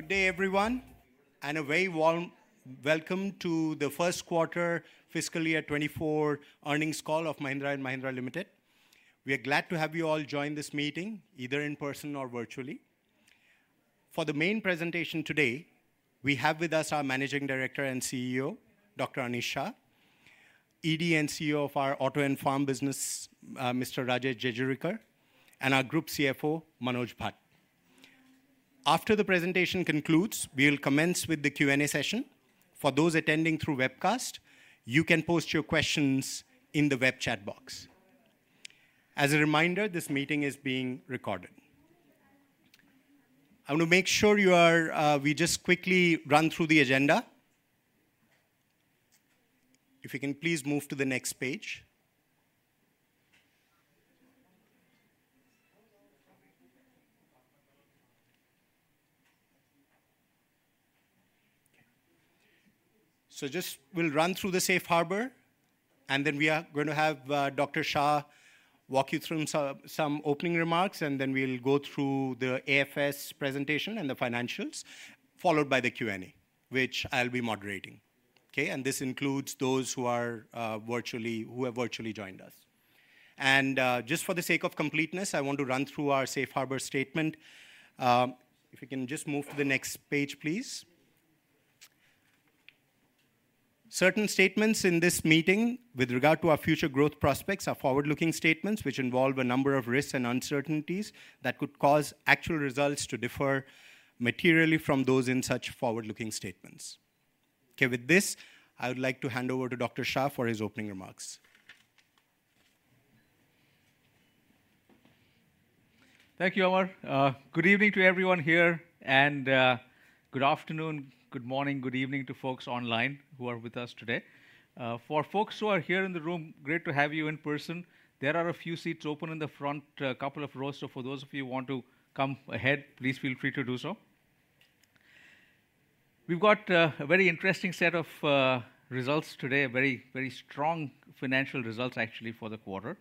Good day, everyone, and a very warm welcome to the First Quarter FY 2024 Earnings Call of Mahindra & Mahindra Limited. We are glad to have you all join this meeting, either in person or virtually. For the main presentation today, we have with us our Managing Director and CEO, Dr. Anish Shah; ED and CEO of our Auto and Farm Sector, Mr. Rajesh Jejurikar; and our Group CFO, Manoj Bhat. After the presentation concludes, we'll commence with the Q&A session. For those attending through webcast, you can post your questions in the web chat box. As a reminder, this meeting is being recorded. I want to make sure you are, we just quickly run through the agenda. If we can please move to the next page. Just we'll run through the Safe Harbor, and then we are going to have, Dr. Shah walk you through some, some opening remarks, then we'll go through the AFS presentation and the financials, followed by the Q&A, which I'll be moderating. Okay? This includes those who are virtually, who have virtually joined us. Just for the sake of completeness, I want to run through our Safe Harbor statement. If you can just move to the next page, please. Certain statements in this meeting with regard to our future growth prospects are forward-looking statements, which involve a number of risks and uncertainties that could cause actual results to differ materially from those in such forward-looking statements. Okay. With this, I would like to hand over to Dr. Shah for his opening remarks. Thank you, Amar. Good evening to everyone here, and good afternoon, good morning, good evening to folks online who are with us today. For folks who are here in the room, great to have you in person. There are a few seats open in the front, couple of rows, so for those of you who want to come ahead, please feel free to do so. We've got a very interesting set of results today, very, very strong financial results, actually, for the quarter.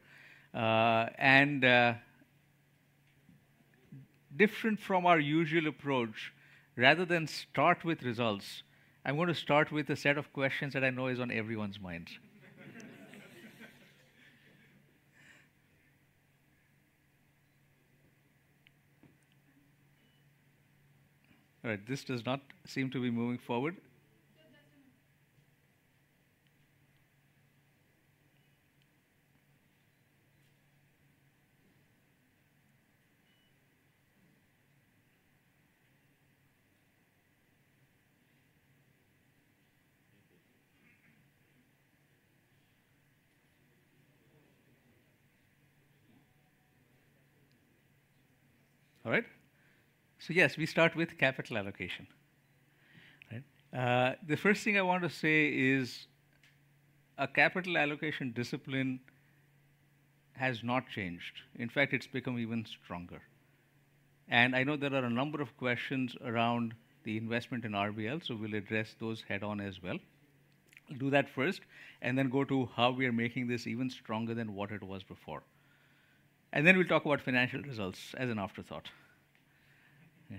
Different from our usual approach, rather than start with results, I want to start with a set of questions that I know is on everyone's minds. All right, this does not seem to be moving forward. No, it doesn't. All right. Yes, we start with capital allocation. Right? The first thing I want to say is, our capital allocation discipline has not changed. In fact, it's become even stronger. I know there are a number of questions around the investment in RBL, so we'll address those head-on as well. We'll do that first, and then go to how we are making this even stronger than what it was before. Then we'll talk about financial results as an afterthought. Yeah.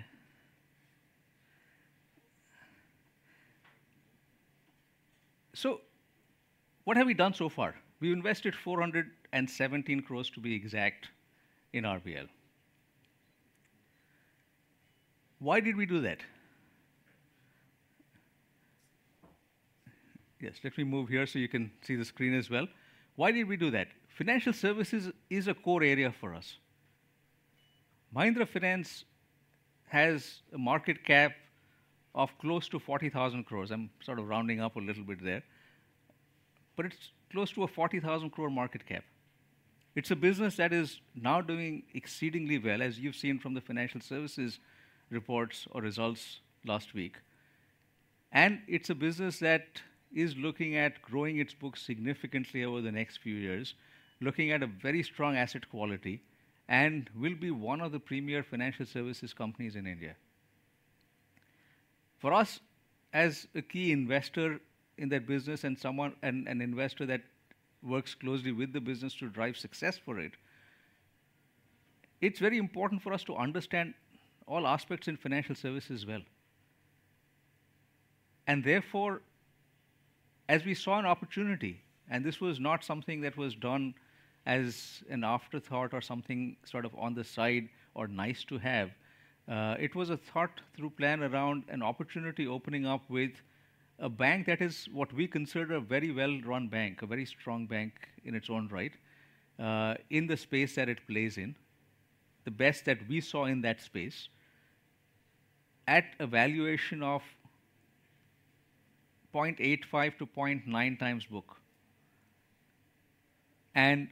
What have we done so far? We've invested 417 crore to be exact, in RBL. Why did we do that? Let me move here so you can see the screen as well. Why did we do that? Financial services is a core area for us. Mahindra Finance has a market cap of close to 40,000 crore. I'm sort of rounding up a little bit there, but it's close to 40,000 crore market cap. It's a business that is now doing exceedingly well, as you've seen from the financial services reports or results last week. It's a business that is looking at growing its books significantly over the next few years, looking at a very strong asset quality, and will be one of the premier financial services companies in India. For us, as a key investor in that business and an investor that works closely with the business to drive success for it, it's very important for us to understand all aspects in financial services well. Therefore, as we saw an opportunity, and this was not something that was done as an afterthought or something sort of on the side or nice to have, it was a thought through plan around an opportunity opening up with a bank that is what we consider a very well-run bank, a very strong bank in its own right, in the space that it plays in. The best that we saw in that space at a valuation of 0.85x-0.9x a book, and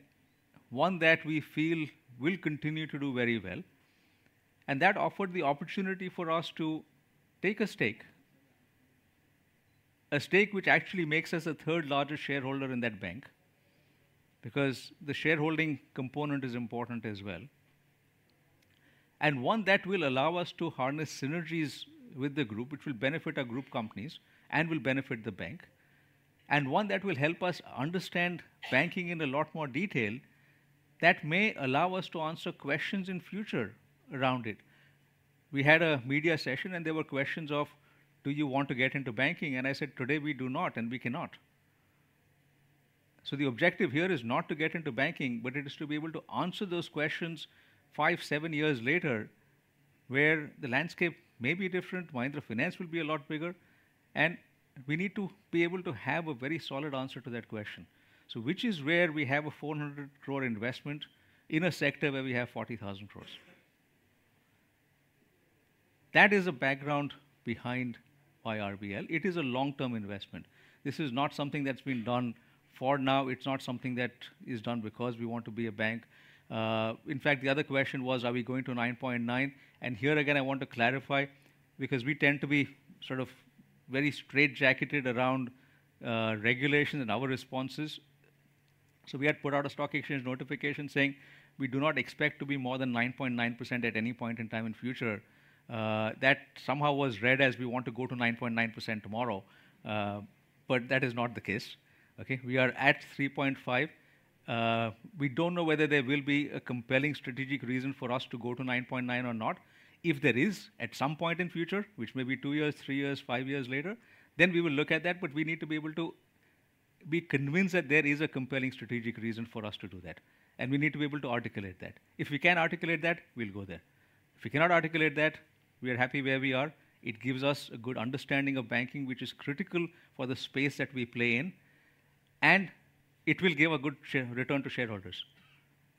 one that we feel will continue to do very well. That offered the opportunity for us to take a stake. A stake which actually makes us the third largest shareholder in that bank, because the shareholding component is important as well. One that will allow us to harness synergies with the group, which will benefit our group companies and will benefit the bank. One that will help us understand banking in a lot more detail, that may allow us to answer questions in future around it. We had a media session, and there were questions of: Do you want to get into banking? I said, "Today, we do not, and we cannot." The objective here is not to get into banking, but it is to be able to answer those questions five, seven years later, where the landscape may be different, Mahindra Finance will be a lot bigger, and we need to be able to have a very solid answer to that question. Which is where we have an 400 crore investment in a sector where we have 40,000 crore. That is the background behind why RBL. It is a long-term investment. This is not something that's been done for now. It's not something that is done because we want to be a bank. In fact, the other question was: Are we going to 9.9%? Here again, I want to clarify, because we tend to be sort of very straightjacketed around regulation and our responses. We had put out a stock exchange notification saying, we do not expect to be more than 9.9% at any point in time in future. That somehow was read as we want to go to 9.9% tomorrow, but that is not the case. Okay? We are at 3.5%. We don't know whether there will be a compelling strategic reason for us to go to 9.9% or not. If there is, at some point in future, which may be two years, three years, five years later, then we will look at that, but we need to be able to be convinced that there is a compelling strategic reason for us to do that, and we need to be able to articulate that. If we can articulate that, we'll go there. If we cannot articulate that, we are happy where we are. It gives us a good understanding of banking, which is critical for the space that we play in, and it will give a good return to shareholders.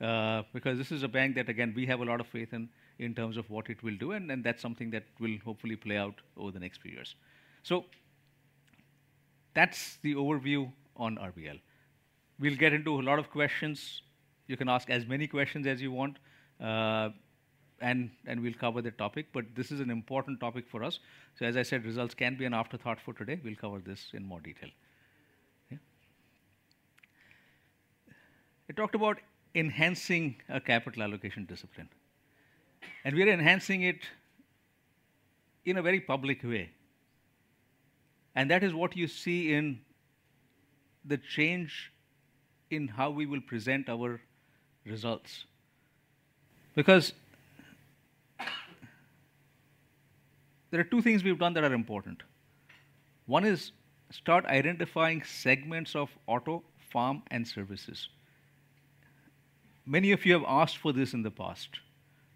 Because this is a bank that, again, we have a lot of faith in, in terms of what it will do, and, and that's something that will hopefully play out over the next few years. That's the overview on RBL. We'll get into a lot of questions. You can ask as many questions as you want, and, and we'll cover the topic, but this is an important topic for us. As I said, results can be an afterthought for today. We'll cover this in more detail. Yeah. We talked about enhancing our capital allocation discipline, and we are enhancing it in a very public way. That is what you see in the change in how we will present our results. Because there are 2 things we've done that are important. One is start identifying segments of auto, farm, and services. Many of you have asked for this in the past.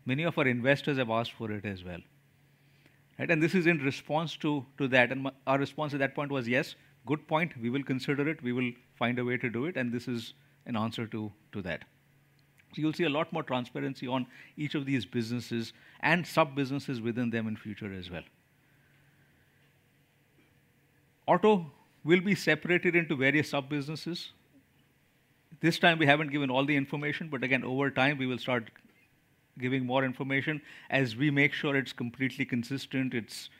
Many of our investors have asked for it as well, right? This is in response to that, and our response to that point was, "Yes, good point. We will consider it. We will find a way to do it," and this is an answer to that. You'll see a lot more transparency on each of these businesses and sub-businesses within them in future as well. Auto will be separated into various sub-businesses. This time, we haven't given all the information, but again, over time, we will start giving more information as we make sure it's completely consistent, it's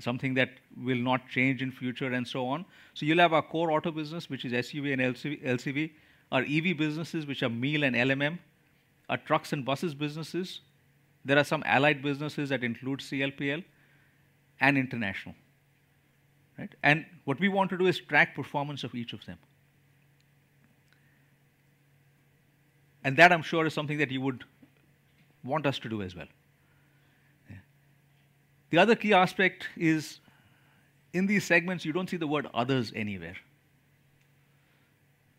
something that will not change in future and so on. You'll have our core auto business, which is SUV and LCV, our EV businesses, which are MEAL and LMM, our trucks and buses businesses. There are some allied businesses that include CLPL and international. Right? What we want to do is track performance of each of them. That, I'm sure, is something that you would want us to do as well. Yeah. The other key aspect is in these segments, you don't see the word others anywhere.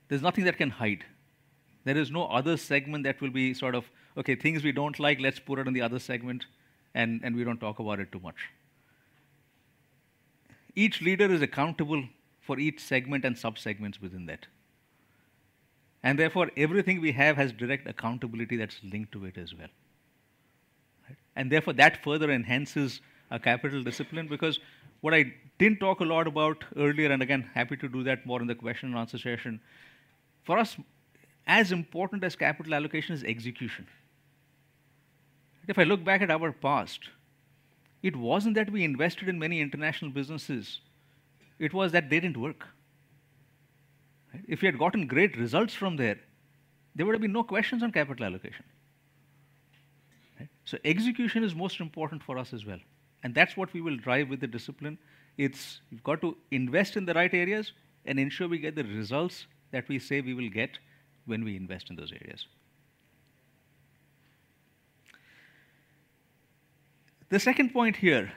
There's nothing that can hide. There is no other segment that will be sort of, okay, things we don't like, let's put it in the other segment, and we don't talk about it too much. Each leader is accountable for each segment and sub-segments within that. Therefore, everything we have has direct accountability that's linked to it as well, right? Therefore, that further enhances our capital discipline, because what I didn't talk a lot about earlier, and again, happy to do that more in the question and answer session, for us, as important as capital allocation is execution. If I look back at our past, it wasn't that we invested in many international businesses, it was that they didn't work. If we had gotten great results from there, there would have been no questions on capital allocation. Right? Execution is most important for us as well, and that's what we will drive with the discipline. It's, we've got to invest in the right areas and ensure we get the results that we say we will get when we invest in those areas. The second point here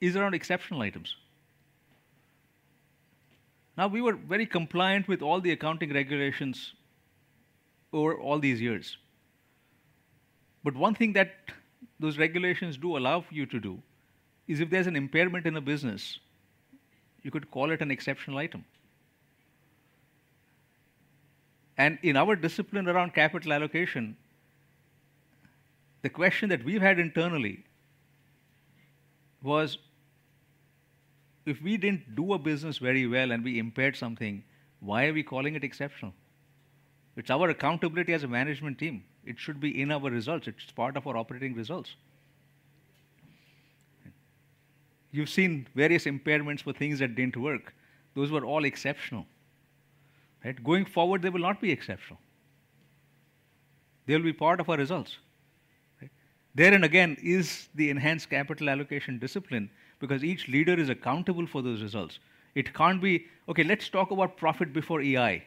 is around exceptional items. We were very compliant with all the accounting regulations over all these years. One thing that those regulations do allow for you to do, is if there's an impairment in a business, you could call it an exceptional item. In our discipline around capital allocation, the question that we've had internally was: if we didn't do a business very well and we impaired something, why are we calling it exceptional? It's our accountability as a management team. It should be in our results. It's part of our operating results. You've seen various impairments for things that didn't work. Those were all exceptional. Right? Going forward, they will not be exceptional.... They'll be part of our results, right? There, and again, is the enhanced capital allocation discipline, because each leader is accountable for those results. It can't be, "Okay, let's talk about profit before EI,"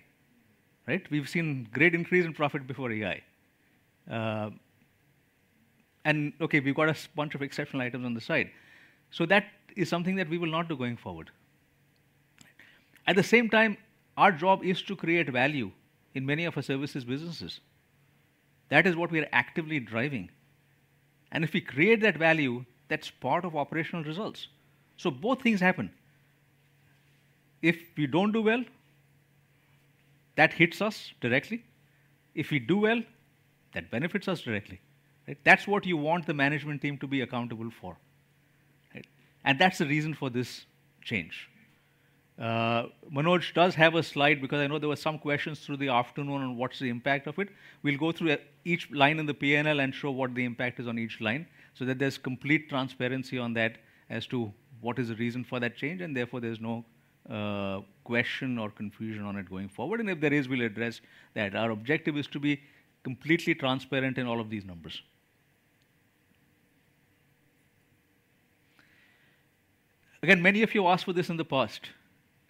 right? We've seen great increase in profit before EI. Okay, we've got a bunch of exceptional items on the side. That is something that we will not do going forward. At the same time, our job is to create value in many of our services businesses. That is what we are actively driving. If we create that value, that's part of operational results. Both things happen. If we don't do well, that hits us directly. If we do well, that benefits us directly, right? That's what you want the management team to be accountable for, right? That's the reason for this change. Manoj does have a slide, because I know there were some questions through the afternoon on what's the impact of it. We'll go through each line in the P&L and show what the impact is on each line, so that there's complete transparency on that as to what is the reason for that change, and therefore, there's no question or confusion on it going forward. If there is, we'll address that. Our objective is to be completely transparent in all of these numbers. Again, many of you asked for this in the past,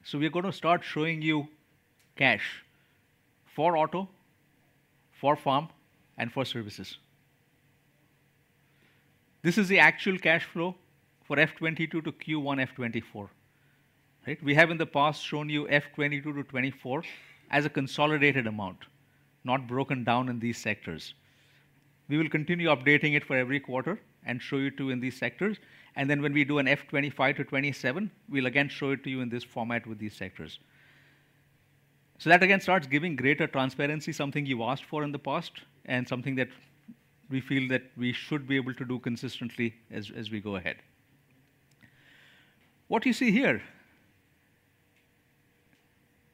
so we are going to start showing you cash for auto, for farm, and for services. This is the actual cash flow for FY 2022 to Q1 FY 2024, right? We have in the past shown you FY 2022-FY 2024 as a consolidated amount, not broken down in these sectors. We will continue updating it for every quarter and show you, too, in these sectors. When we do an FY 2025-FY 2027, we'll again show it to you in this format with these sectors. That, again, starts giving greater transparency, something you asked for in the past and something that we feel that we should be able to do consistently as we go ahead. What you see here,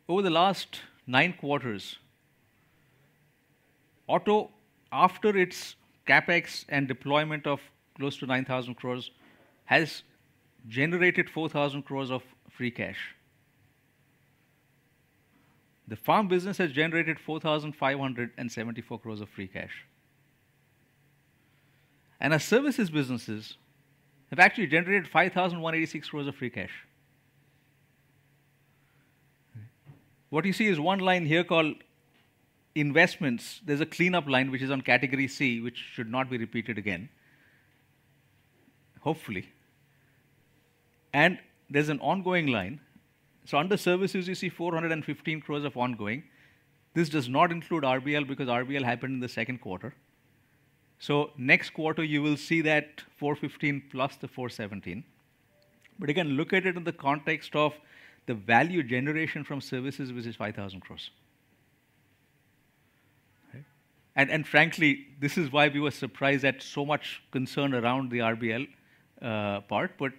over the last nine quarters, Auto, after its CapEx and deployment of close to 9,000 crore, has generated 4,000 crore of free cash. The farm business has generated 4,574 crore of free cash. Our services businesses have actually generated 5,186 crore of free cash. What you see is one line here called investments. There's a cleanup line, which is on category C, which should not be repeated again, hopefully. There's an ongoing line. Under services, you see 415 crore of ongoing. This does not include RBL, because RBL happened in the second quarter. Next quarter, you will see that 415 plus the 417. Again, look at it in the context of the value generation from services, which is 5,000 crore. Right? And frankly, this is why we were surprised at so much concern around the RBL part, but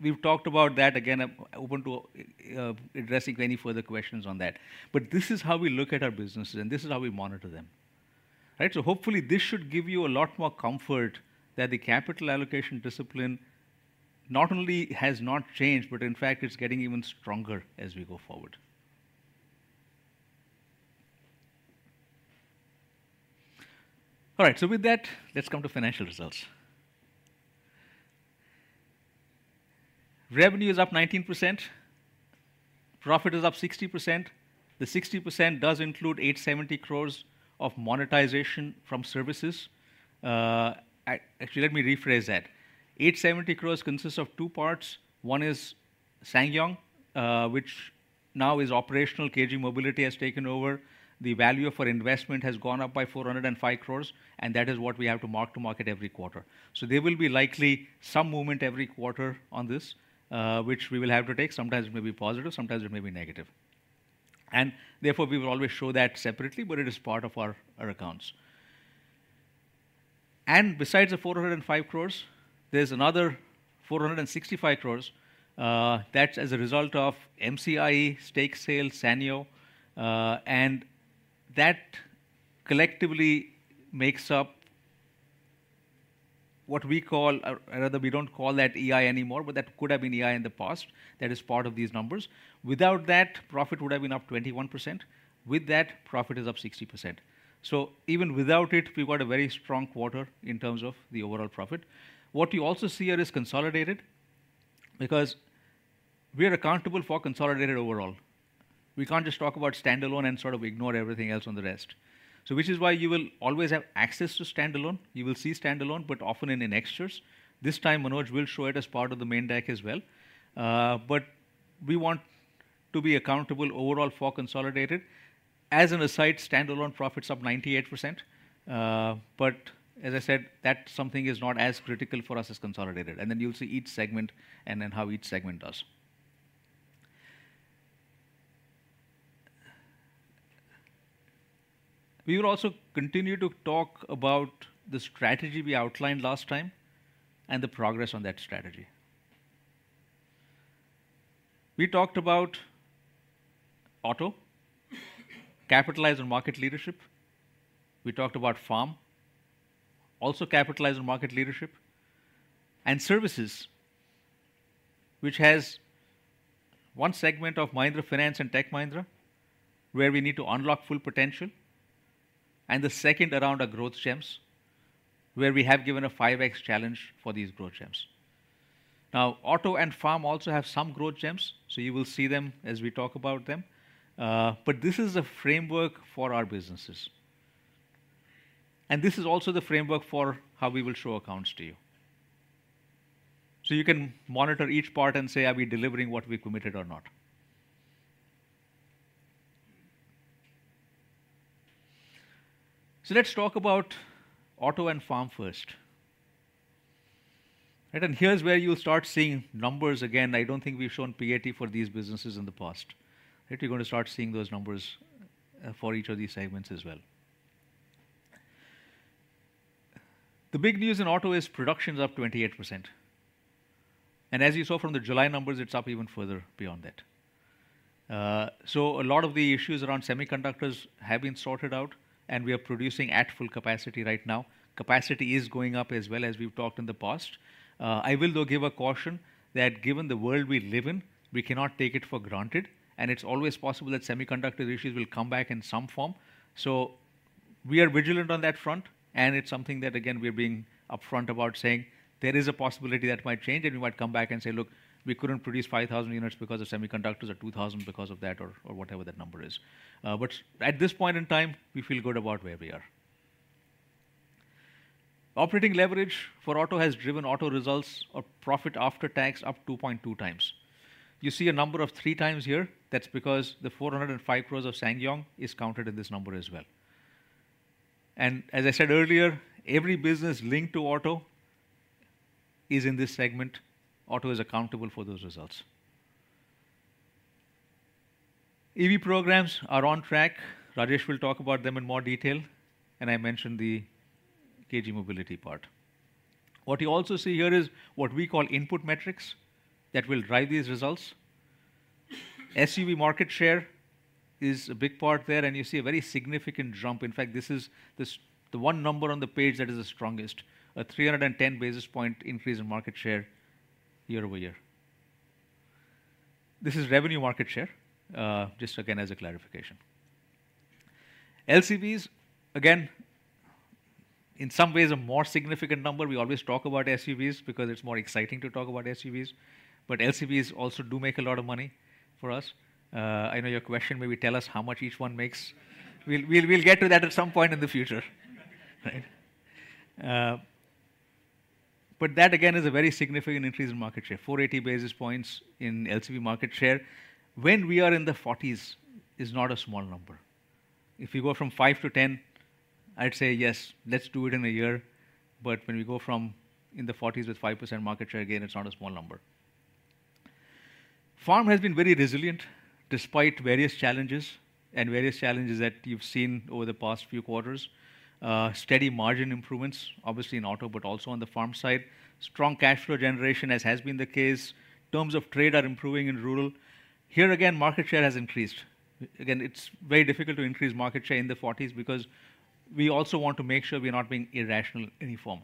we've talked about that. Again, I'm open to addressing any further questions on that. This is how we look at our businesses, and this is how we monitor them, right? Hopefully, this should give you a lot more comfort that the capital allocation discipline not only has not changed, but in fact, it's getting even stronger as we go forward. All right. With that, let's come to financial results. Revenue is up 19%, profit is up 60%. The 60% does include 870 crores of monetization from services. Actually, let me rephrase that. 870 crores consists of two parts. One is SsangYong, which now is operational. KG Mobility has taken over. The value of our investment has gone up by 405 crores, and that is what we have to mark to market every quarter. There will be likely some movement every quarter on this, which we will have to take. Sometimes it may be positive, sometimes it may be negative. Therefore, we will always show that separately, but it is part of our, our accounts. Besides the 405 crores, there's another 465 crores. That's as a result of MCIE, stake sale, Sanyo, and that collectively makes up what we call, or rather, we don't call that EI anymore, but that could have been EI in the past. That is part of these numbers. Without that, profit would have been up 21%. With that, profit is up 60%. Even without it, we've got a very strong quarter in terms of the overall profit. What you also see here is consolidated, because we are accountable for consolidated overall. We can't just talk about standalone and sort of ignore everything else on the rest. Which is why you will always have access to standalone. You will see standalone, but often in an extras. This time, Manoj will show it as part of the main deck as well. We want to be accountable overall for consolidated. As an aside, standalone profit's up 98%. As I said, that something is not as critical for us as consolidated. Then you'll see each segment and then how each segment does. We will also continue to talk about the strategy we outlined last time and the progress on that strategy. We talked about Auto, capitalize on market leadership. We talked about Farm, also capitalize on market leadership. Services-... which has one segment of Mahindra Finance and Tech Mahindra, where we need to unlock full potential, and the second around our growth gems, where we have given a 5x challenge for these growth gems. Now, Auto and Farm also have some growth gems, so you will see them as we talk about them. This is a framework for our businesses. This is also the framework for how we will show accounts to you. You can monitor each part and say, "Are we delivering what we committed or not?" Let's talk about Auto and Farm first. Here's where you'll start seeing numbers again. I don't think we've shown PAT for these businesses in the past. Right, you're going to start seeing those numbers for each of these segments as well. The big news in auto is production is up 28%. As you saw from the July numbers, it's up even further beyond that. A lot of the issues around semiconductors have been sorted out, and we are producing at full capacity right now. Capacity is going up as well as we've talked in the past. I will, though, give a caution that given the world we live in, we cannot take it for granted, and it's always possible that semiconductor issues will come back in some form. We are vigilant on that front, and it's something that, again, we are being upfront about, saying there is a possibility that might change, and we might come back and say, "Look, we couldn't produce 5,000 units because of semiconductors or 2,000 because of that," or, or whatever that number is. At this point in time, we feel good about where we are. Operating leverage for auto has driven auto results or profit after tax up 2.2 times. You see a number of 3 times here, that's because the 405 crores of SsangYong is counted in this number as well. As I said earlier, every business linked to auto is in this segment. Auto is accountable for those results. EV programs are on track. Rajesh will talk about them in more detail, and I mentioned the KG Mobility part. What you also see here is what we call input metrics that will drive these results. SUV market share is a big part there, and you see a very significant jump. In fact, this is the one number on the page that is the strongest, a 310 basis point increase in market share year-over-year. This is revenue market share, just again, as a clarification. LCVs, again, in some ways, a more significant number. We always talk about SUVs because it's more exciting to talk about SUVs, but LCVs also do make a lot of money for us. I know your question, maybe tell us how much each one makes. We'll, we'll, we'll get to that at some point in the future, right. That, again, is a very significant increase in market share, 480 basis points in LCV market share. When we are in the 40s is not a small number. If we go from 5 to 10, I'd say, "Yes, let's do it in a year." When we go from in the 40s with 5% market share, again, it's not a small number. Farm has been very resilient, despite various challenges and various challenges that you've seen over the past few quarters. Steady margin improvements, obviously in auto, but also on the farm side. Strong cash flow generation, as has been the case. Terms of trade are improving in rural. Here, again, market share has increased. It's very difficult to increase market share in the 40s because we also want to make sure we're not being irrational in any form.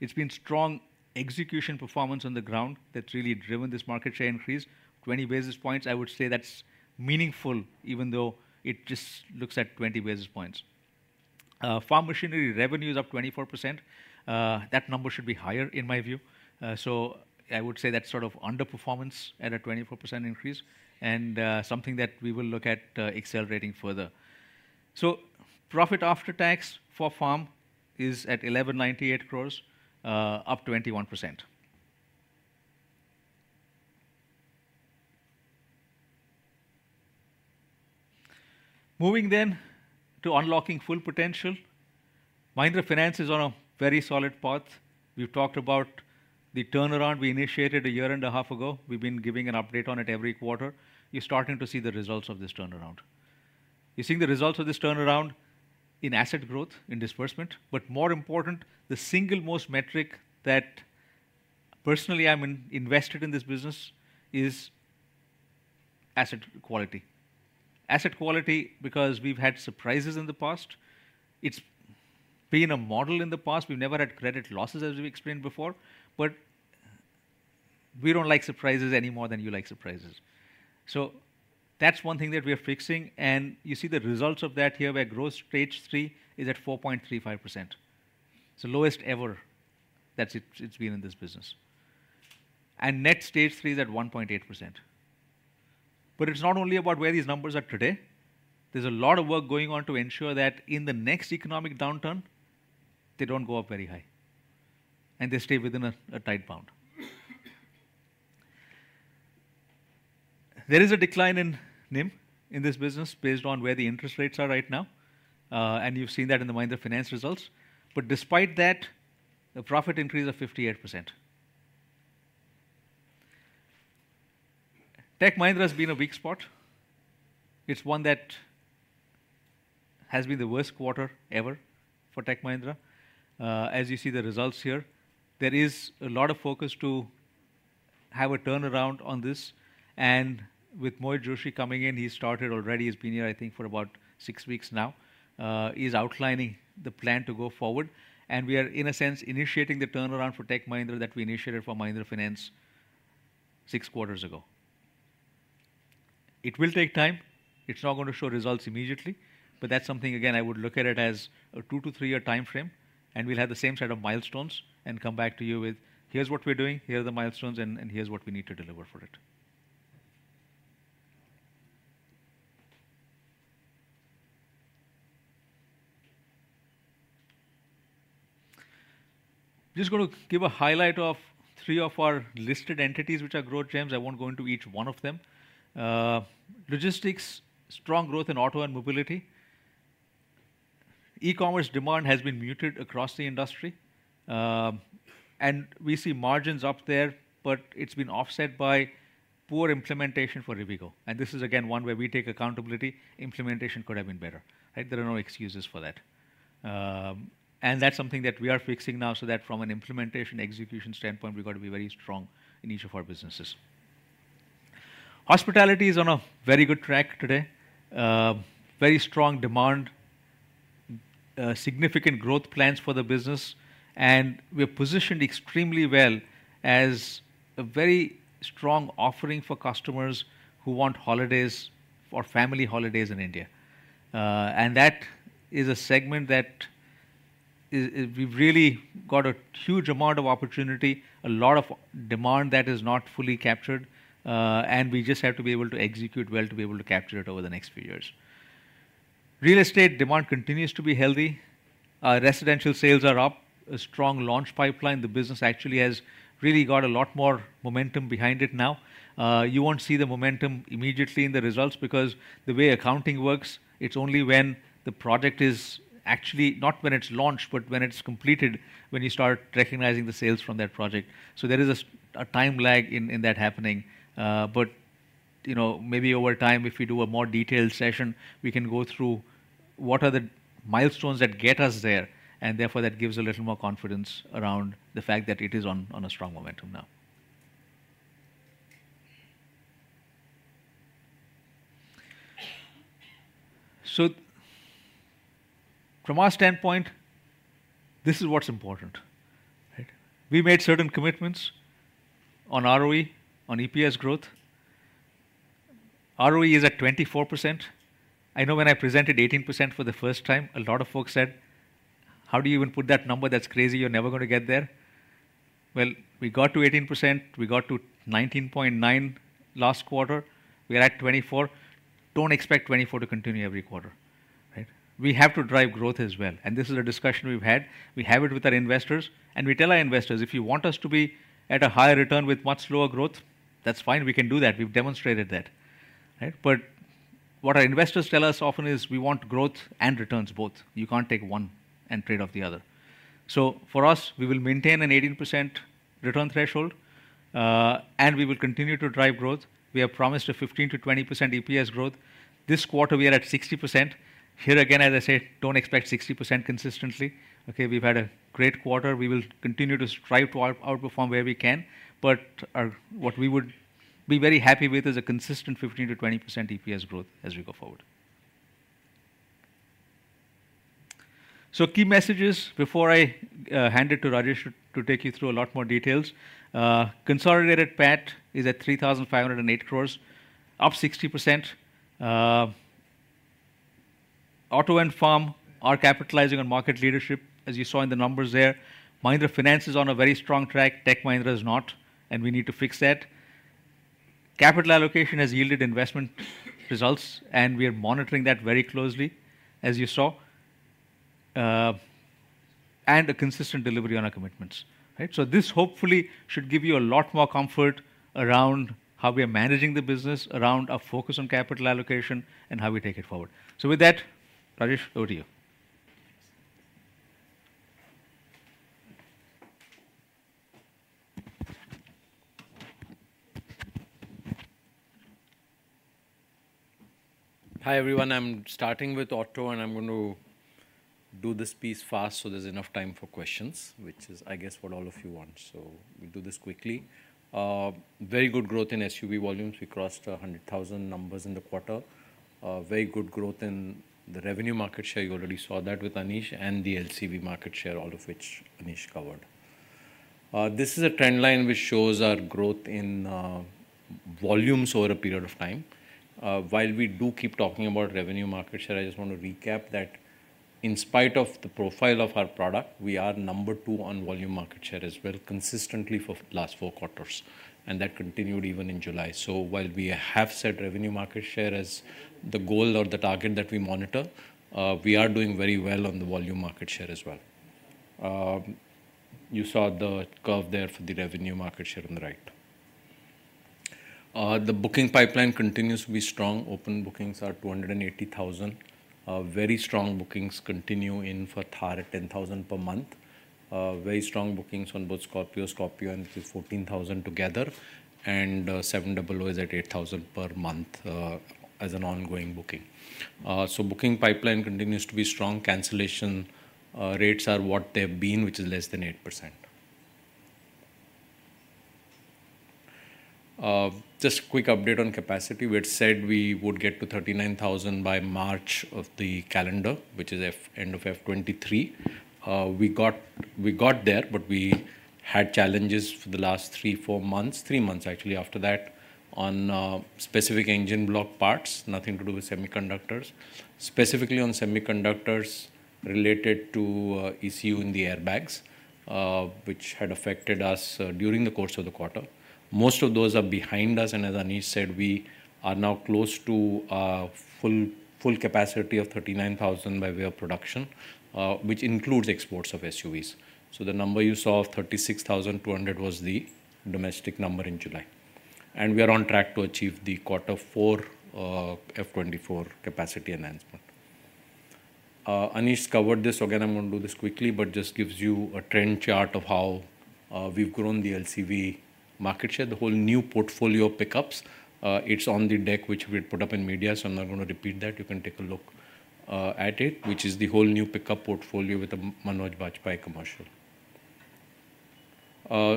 It's been strong execution performance on the ground that really driven this market share increase. 20 basis points, I would say that's meaningful, even though it just looks at 20 basis points. Farm machinery revenue is up 24%. That number should be higher, in my view. I would say that's sort of underperformance at a 24% increase and something that we will look at accelerating further. Profit after tax for farm is at 1,198 crores, up 21%. Moving to unlocking full potential. Mahindra Finance is on a very solid path. We've talked about the turnaround we initiated a year and a half ago. We've been giving an update on it every quarter. You're starting to see the results of this turnaround. You're seeing the results of this turnaround in asset growth, in disbursement, but more important, the single most metric that personally I'm invested in this business is asset quality. Asset quality, because we've had surprises in the past. It's been a model in the past. We've never had credit losses, as we explained before, but we don't like surprises any more than you like surprises. That's one thing that we are fixing, and you see the results of that here, where growth Stage Three is at 4.35%. It's the lowest ever that's it, it's been in this business. Net Stage Three is at 1.8%. It's not only about where these numbers are today, there's a lot of work going on to ensure that in the next economic downturn, they don't go up very high and they stay within a tight bound. There is a decline in NIM in this business based on where the interest rates are right now, and you've seen that in the Mahindra Finance results. Despite that, the profit increase of 58%. Tech Mahindra has been a weak spot. It's one that has been the worst quarter ever for Tech Mahindra. As you see the results here, there is a lot of focus to have a turnaround on this, and with Mohit Joshi coming in, he started already. He's been here, I think, for about 6 weeks now. He's outlining the plan to go forward. We are, in a sense, initiating the turnaround for Tech Mahindra that we initiated for Mahindra Finance six quarters ago. It will take time. It's not going to show results immediately, but that's something, again, I would look at it as a two to three year timeframe. We'll have the same set of milestones and come back to you with: here's what we're doing, here are the milestones, and here's what we need to deliver for it. Just going to give a highlight of three of our listed entities, which are growth gems. I won't go into each one of them. Logistics, strong growth in auto and mobility. E-commerce demand has been muted across the industry. We see margins up there, but it's been offset by poor implementation for Rivigo. This is again, one where we take accountability. Implementation could have been better, right? There are no excuses for that. That's something that we are fixing now, so that from an implementation execution standpoint, we've got to be very strong in each of our businesses. Hospitality is on a very good track today. Very strong demand, significant growth plans for the business, we're positioned extremely well as a very strong offering for customers who want holidays or family holidays in India. That is a segment that is, we've really got a huge amount of opportunity, a lot of demand that is not fully captured, we just have to be able to execute well to be able to capture it over the next few years. Real estate demand continues to be healthy. Residential sales are up, a strong launch pipeline. The business actually has really got a lot more momentum behind it now. You won't see the momentum immediately in the results because the way accounting works, it's only when the project is actually... not when it's launched, but when it's completed, when you start recognizing the sales from that project. There is a, a time lag in, in that happening. You know, maybe over time, if we do a more detailed session, we can go through what are the milestones that get us there, and therefore, that gives a little more confidence around the fact that it is on, on a strong momentum now. From our standpoint, this is what's important, right? We made certain commitments on ROE, on EPS growth. ROE is at 24%. I know when I presented 18% for the first time, a lot of folks said: "How do you even put that number? That's crazy. You're never going to get there." We got to 18%, we got to 19.9% last quarter. We are at 24%. Don't expect 24% to continue every quarter, right? We have to drive growth as well, and this is a discussion we've had. We have it with our investors, and we tell our investors, "If you want us to be at a higher return with much lower growth, that's fine. We can do that. We've demonstrated that," right? What our investors tell us often is: "We want growth and returns, both. You can't take one and trade off the other." For us, we will maintain an 18% return threshold, and we will continue to drive growth. We have promised a 15%-20% EPS growth. This quarter, we are at 60%. Here again, as I said, don't expect 60% consistently, okay? We've had a great quarter. We will continue to strive to out-perform where we can, but what we would be very happy with is a consistent 15%-20% EPS growth as we go forward. Key messages before I hand it to Rajesh to take you through a lot more details. Consolidated PAT is at 3,508 crore, up 60%. Auto and Farm are capitalizing on market leadership, as you saw in the numbers there. Mahindra Finance is on a very strong track, Tech Mahindra is not, and we need to fix that. Capital allocation has yielded investment results, and we are monitoring that very closely, as you saw. A consistent delivery on our commitments, right? This hopefully should give you a lot more comfort around how we are managing the business, around our focus on capital allocation, and how we take it forward. With that, Rajesh, over to you. Hi, everyone. I'm starting with auto, and I'm going to do this piece fast so there's enough time for questions, which is, I guess, what all of you want. We'll do this quickly. Very good growth in SUV volumes. We crossed 100,000 numbers in the quarter. Very good growth in the revenue market share. You already saw that with Anish and the LCV market share, all of which Anish covered. This is a trend line which shows our growth in volumes over a period of time. While we do keep talking about revenue market share, I just want to recap that in spite of the profile of our product, we are number 2 on volume market share as well, consistently for last four quarters, and that continued even in July. While we have set revenue market share as the goal or the target that we monitor, we are doing very well on the volume market share as well. You saw the curve there for the revenue market share on the right. The booking pipeline continues to be strong. Open bookings are 280,000. Very strong bookings continue in for Thar at 10,000 per month. Very strong bookings on both Scorpio, Scorpio and 14,000 together, and Seven Double O is at 8,000 per month, as an ongoing booking. Booking pipeline continues to be strong. Cancellation rates are what they've been, which is less than 8%. Just a quick update on capacity. We had said we would get to 39,000 by March of the calendar, which is end of FY 20 2023. We got, we got there, but we had challenges for the last three to four months, three months actually after that, on specific engine block parts, nothing to do with semiconductors. Specifically on semiconductors related to ECU and the airbags, which had affected us during the course of the quarter. Most of those are behind us, and as Anish said, we are now close to full, full capacity of 39,000 by way of production, which includes exports of SUVs. The number you saw of 36,200 was the domestic number in July, and we are on track to achieve the Q4 FY 2024 capacity enhancement. Anish covered this. Again, I'm going to do this quickly, but just gives you a trend chart of how we've grown the LCV market share. The whole new portfolio of pickups, it's on the deck, which we put up in media, so I'm not gonna repeat that. You can take a look at it, which is the whole new pickup portfolio with the Manoj Bajpayee commercial.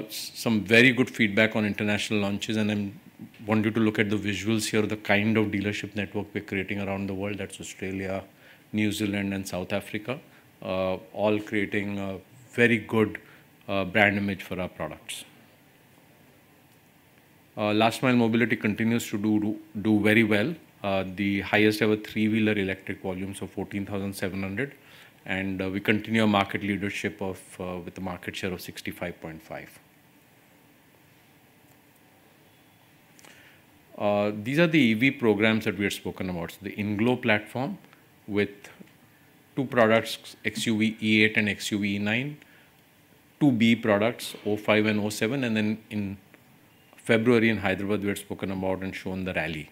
Some very good feedback on international launches, and then wanted to look at the visuals here, the kind of dealership network we're creating around the world. That's Australia, New Zealand and South Africa, all creating a very good brand image for our products. Last mile mobility continues to do very well. The highest ever three-wheeler electric volumes of 14,700, and we continue our market leadership of with a market share of 65.5. These are the EV programs that we have spoken about. The Inglo platform with 2 products, XUVe 8 and XUVe 9, 2 BE products, O5 and O7. Then in February, in Hyderabad, we had spoken about and shown the Rally.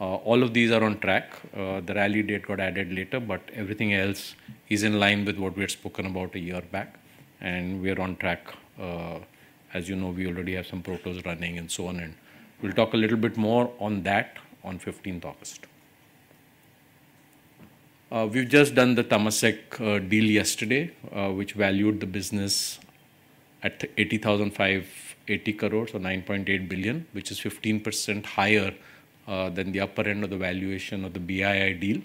All of these are on track. The Rally date got added later, everything else is in line with what we had spoken about a year back, and we are on track. As you know, we already have some protos running and so on, and we'll talk a little bit more on that on 15th August. We've just done the Temasek deal yesterday, which valued the business at 80,580 crore or 9.8 billion, which is 15% higher than the upper end of the valuation of the BII deal.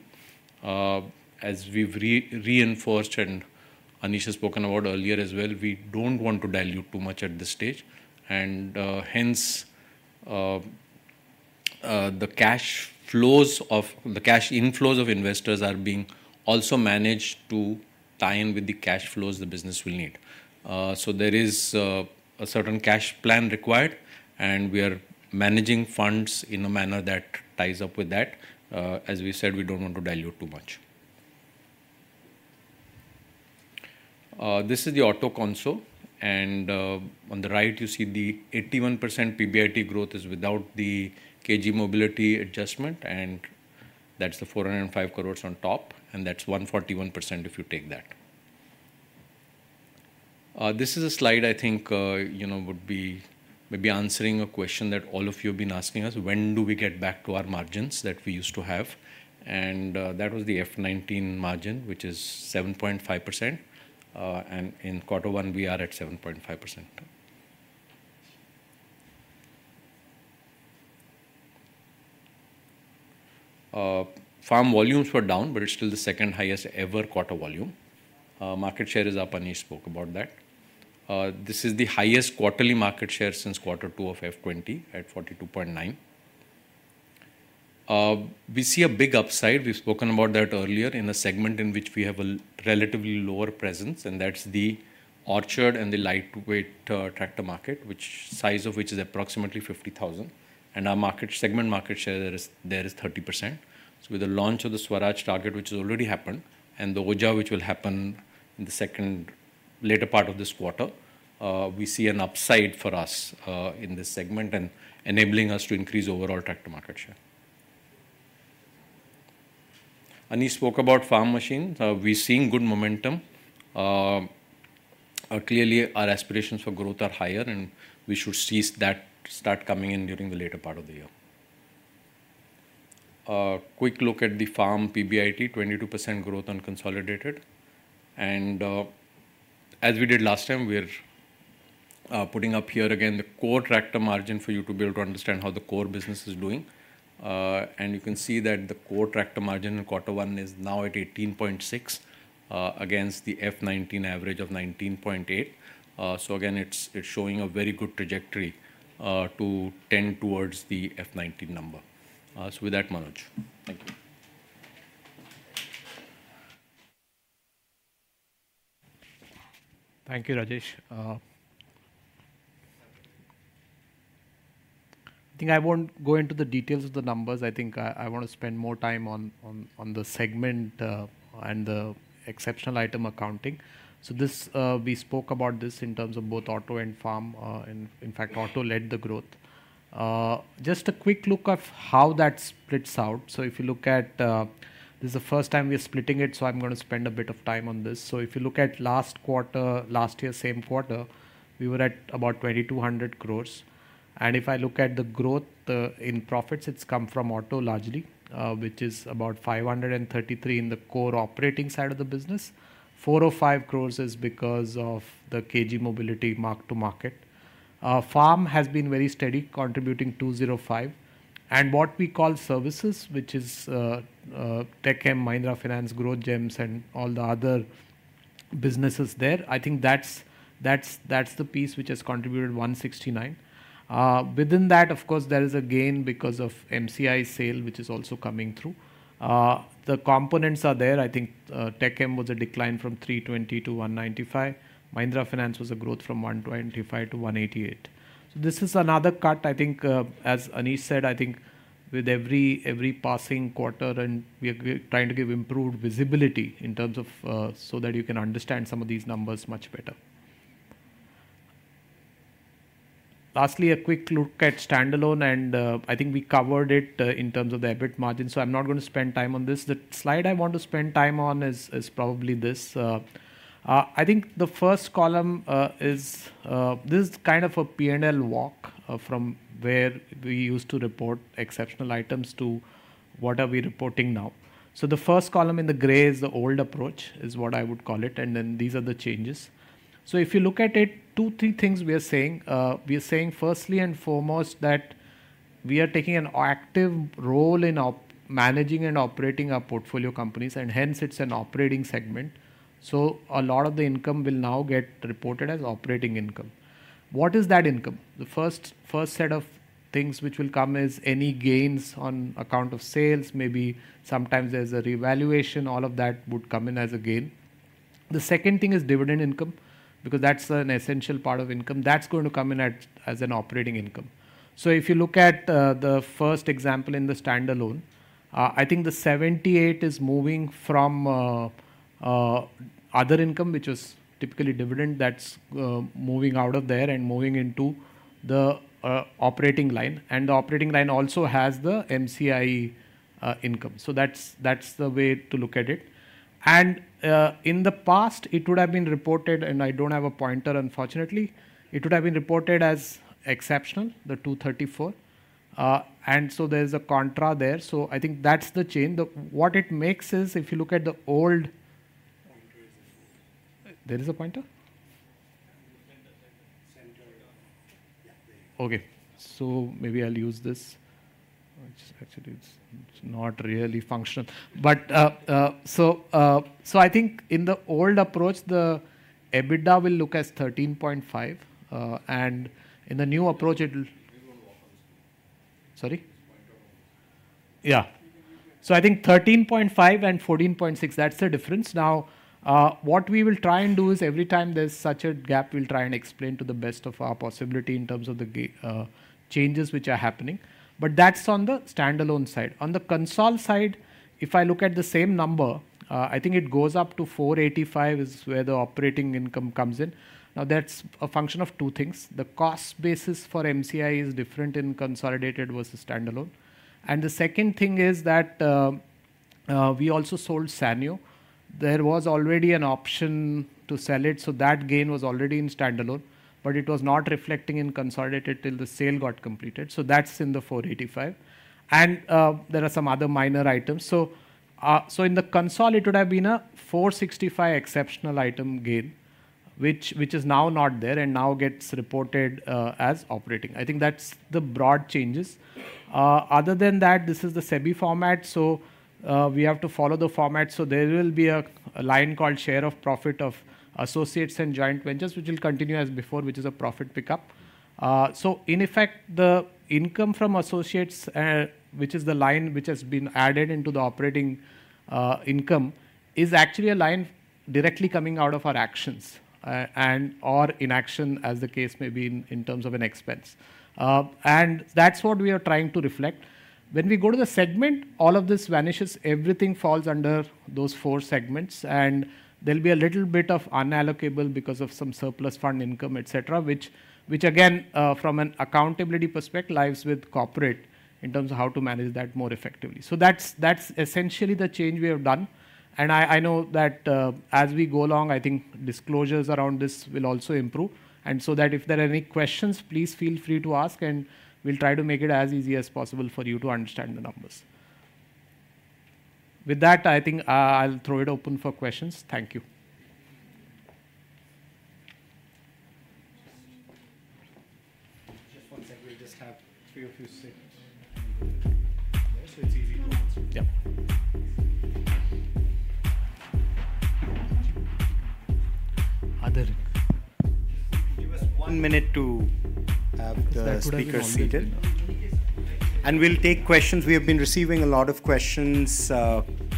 As we've re- reinforced, and Anish has spoken about earlier as well, we don't want to dilute too much at this stage, and hence, the cash flows of... the cash inflows of investors are being also managed to tie in with the cash flows the business will need. So there is a certain cash plan required, and we are managing funds in a manner that ties up with that. As we said, we don't want to dilute too much. This is the auto console, and on the right, you see the 81% PBIT growth is without the KG Mobility adjustment, and that's the 405 crore on top, and that's 141% if you take that. This is a slide I think, you know, would be maybe answering a question that all of you have been asking us: When do we get back to our margins that we used to have? That was the FY 2019 margin, which is 7.5%, and in quarter one, we are at 7.5%. Farm volumes were down, but it's still the second highest ever quarter volume. Market share is up, Anish spoke about that. This is the highest quarterly market share since quarter two of FY 2020, at 42.9%. We see a big upside. We've spoken about that earlier in a segment in which we have a relatively lower presence, and that's the orchard and the lightweight tractor market, which size of which is approximately 50,000, and our market, segment market share there is, there is 30%. With the launch of the Swaraj Target, which has already happened, and the OJA, which will happen in the second later part of this quarter, we see an upside for us in this segment and enabling us to increase overall tractor market share. Anish Shah spoke about farm machine. We're seeing good momentum. Clearly, our aspirations for growth are higher, and we should see that start coming in during the later part of the year. Quick look at the farm PBIT, 22% growth unconsolidated. As we did last time, we are putting up here again the core tractor margin for you to be able to understand how the core business is doing. You can see that the core tractor margin in quarter one is now at 18.6% against the FY 2019 average of 19.8%. Again, it's showing a very good trajectory to tend towards the FY 2019 number. With that, Manoj. Thank you. Thank you, Rajesh. I think I won't go into the details of the numbers. I think I, I want to spend more time on, on, on the segment and the exceptional item accounting. This, we spoke about this in terms of both auto and farm, and in fact, auto led the growth. Just a quick look of how that splits out. If you look at... This is the first time we are splitting it, so I'm gonna spend a bit of time on this. If you look at last quarter, last year, same quarter, we were at about 2,200 crore. If I look at the growth in profits, it's come from auto largely, which is about 533 in the core operating side of the business. 405 crore is because of the KG Mobility mark to market. Farm has been very steady, contributing 205 crore. What we call services, which is Tech M, Mahindra Finance, Growth Gems, and all the other businesses there, I think that's, that's, that's the piece which has contributed 169 crore. Within that, of course, there is a gain because of MCIE sale, which is also coming through. The components are there. I think Tech M was a decline from 320 crore to 195 crore. Mahindra Finance was a growth from 125 crore to 188 crore. This is another cut, I think, as Anish said, I think with every, every passing quarter, and we are trying to give improved visibility in terms of so that you can understand some of these numbers much better. Lastly, a quick look at standalone, and, I think we covered it, in terms of the EBIT margin, so I'm not going to spend time on this. The slide I want to spend time on is, is probably this. I think the first column, is, this is kind of a P&L walk, from where we used to report exceptional items to what are we reporting now. The first column in the gray is the old approach, is what I would call it, and then these are the changes. If you look at it, two, three things we are saying. We are saying, firstly and foremost, that we are taking an active role in managing and operating our portfolio companies, and hence it's an operating segment, so a lot of the income will now get reported as operating income. What is that income? The first set of things which will come as any gains on account of sales, maybe sometimes there's a revaluation, all of that would come in as a gain. The second thing is dividend income, because that's an essential part of income. That's going to come in as an operating income. If you look at the first example in the standalone, I think the 78 is moving from other income, which is typically dividend, that's moving out of there and moving into the operating line. The operating line also has the MCIE income. That's, that's the way to look at it. In the past, it would have been reported, and I don't have a pointer, unfortunately. It would have been reported as exceptional, the 234. There's a contra there, so I think that's the change. What it makes is, if you look at the old- Pointer is this one. There is a pointer? Center, center. Center, yeah. Okay. Maybe I'll use this. Actually, it's, it's not really functional. I think in the old approach, the EBITDA will look as 13.5, and in the new approach, it'll- It will walk on screen. Sorry? This pointer will. Yeah. I think 13.5 and 14.6, that's the difference. Now, what we will try and do is every time there's such a gap, we'll try and explain to the best of our possibility in terms of the changes which are happening. That's on the standalone side. On the console side, if I look at the same number, I think it goes up to 485, is where the operating income comes in. Now, that's a function of two things. The cost basis for MCIE is different in consolidated versus standalone. The second thing is that we also sold Sanyo. There was already an option to sell it, so that gain was already in standalone, but it was not reflecting in consolidated till the sale got completed, so that's in the 485. There are some other minor items. In the consolidated, it would have been a 465 exceptional item gain, which, which is now not there and now gets reported as operating. I think that's the broad changes. Other than that, this is the SEBI format, we have to follow the format. There will be a, a line called share of profit of associates and joint ventures, which will continue as before, which is a profit pickup. In effect, the income from associates, which is the line which has been added into the operating income, is actually a line directly coming out of our actions and or inaction, as the case may be, in, in terms of an expense. That's what we are trying to reflect. When we go to the segment, all of this vanishes, everything falls under those four segments, and there'll be a little bit of unallocable because of some surplus fund income, et cetera, which, which again, from an accountability perspective, lies with corporate in terms of how to manage that more effectively. So that's, that's essentially the change we have done. I, I know that, as we go along, I think disclosures around this will also improve. So that if there are any questions, please feel free to ask, and we'll try to make it as easy as possible for you to understand the numbers. With that, I think, I'll throw it open for questions. Thank you. Just 1 second. We just have 3 or few seconds. It's easy to answer. Yeah. Other. Give us one minute to have the- Is that all right?... speakers seated. We'll take questions. We have been receiving a lot of questions,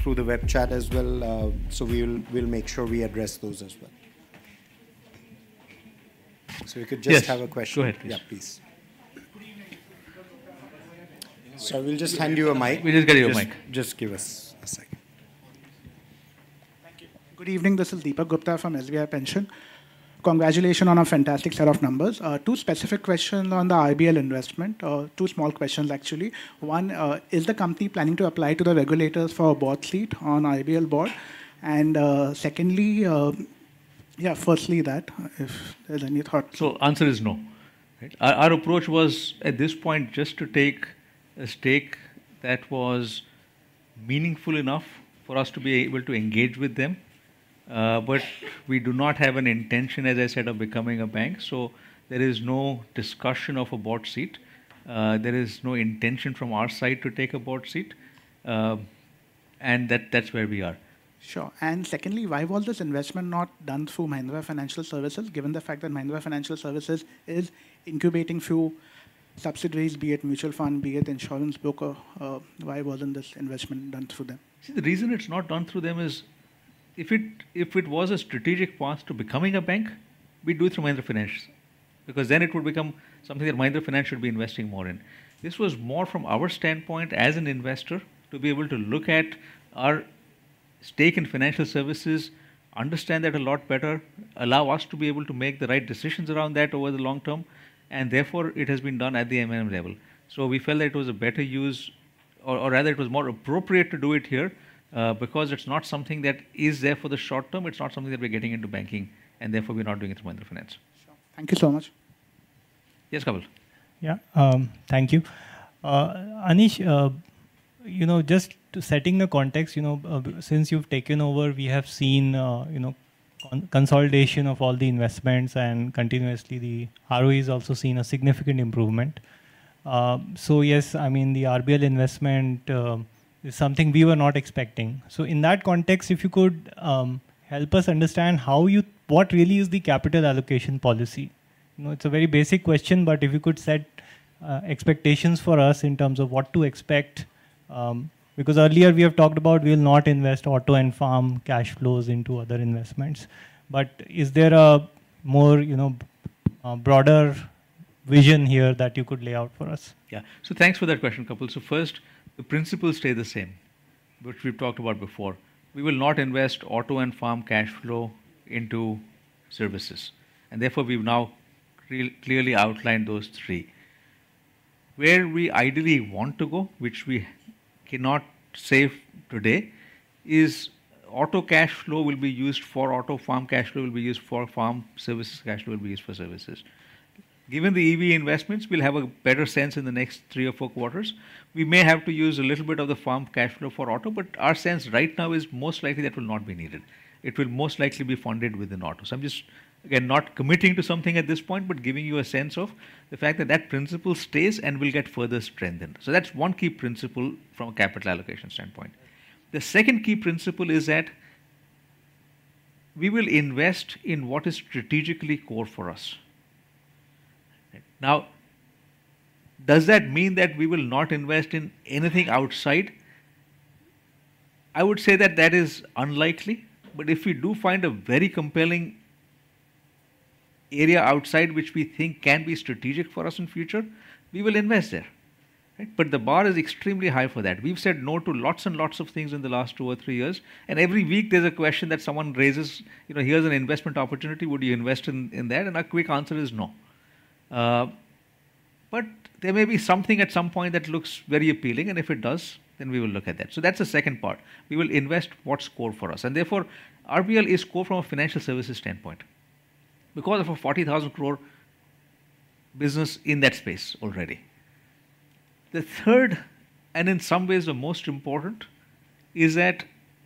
through the web chat as well, we will, we'll make sure we address those as well. We could just have a question. Yes, go ahead, please. Yeah, please. Good evening. We'll just hand you a mic. We'll just get you a mic. Just, just give us a second. Thank you. Good evening, this is Deepak Gupta from SBI Pension. Congratulations on a fantastic set of numbers. two specific questions on the IBL investment, two small questions, actually. one, is the company planning to apply to the regulators for a board seat on IBL board? Secondly... Yeah, firstly, that, if there's any thought. Answer is no. Right? Our, our approach was, at this point, just to take a stake that was.... meaningful enough for us to be able to engage with them. We do not have an intention, as I said, of becoming a bank, so there is no discussion of a board seat. There is no intention from our side to take a board seat, and that's where we are. Sure. Secondly, why was this investment not done through Mahindra Financial Services, given the fact that Mahindra Financial Services is incubating few subsidiaries, be it mutual fund, be it insurance broker, why wasn't this investment done through them? See, the reason it's not done through them is, if it was a strategic path to becoming a bank, we'd do it through Mahindra Financial. Because then it would become something that Mahindra Financial would be investing more in. This was more from our standpoint as an investor, to be able to look at our stake in financial services, understand that a lot better, allow us to be able to make the right decisions around that over the long term, and therefore, it has been done at the M&M level. We felt that it was a better use, or rather it was more appropriate to do it here, because it's not something that is there for the short term. It's not something that we're getting into banking, and therefore we're not doing it through Mahindra Finance. Sure. Thank you so much. Yes, Kapil? Yeah, thank you. Anish, you know, just to setting the context, you know, since you've taken over, we have seen, you know, consolidation of all the investments, and continuously the ROE has also seen a significant improvement. Yes, I mean, the RBL investment is something we were not expecting. In that context, if you could help us understand how you what really is the capital allocation policy? You know, it's a very basic question, but if you could set expectations for us in terms of what to expect. Earlier we have talked about we'll not invest auto and farm cash flows into other investments. Is there a more, you know, a broader vision here that you could lay out for us? Yeah. Thanks for that question, Kapil. First, the principles stay the same, which we've talked about before. We will not invest auto and farm cash flow into services, and therefore, we've now clearly outlined those three. Where we ideally want to go, which we cannot say today, is auto cash flow will be used for auto, farm cash flow will be used for farm, services cash flow will be used for services. Given the EV investments, we'll have a better sense in the next three or four quarters. We may have to use a little bit of the farm cash flow for auto, but our sense right now is most likely that will not be needed. It will most likely be funded within auto. I'm just, again, not committing to something at this point, but giving you a sense of the fact that that principle stays and will get further strengthened. That's one key principle from a capital allocation standpoint. The second key principle is that we will invest in what is strategically core for us. Does that mean that we will not invest in anything outside? I would say that that is unlikely, but if we do find a very compelling area outside, which we think can be strategic for us in future, we will invest there, right? The bar is extremely high for that. We've said no to lots and lots of things in the last two or three years, and every week there's a question that someone raises, "You know, here's an investment opportunity. Would you invest in, in that?" Our quick answer is no. There may be something at some point that looks very appealing, and if it does, then we will look at that. That's the second part. We will invest what's core for us. Therefore, RBL is core from a financial services standpoint, because of an 40,000 crore business in that space already. The third, and in some ways the most important, is that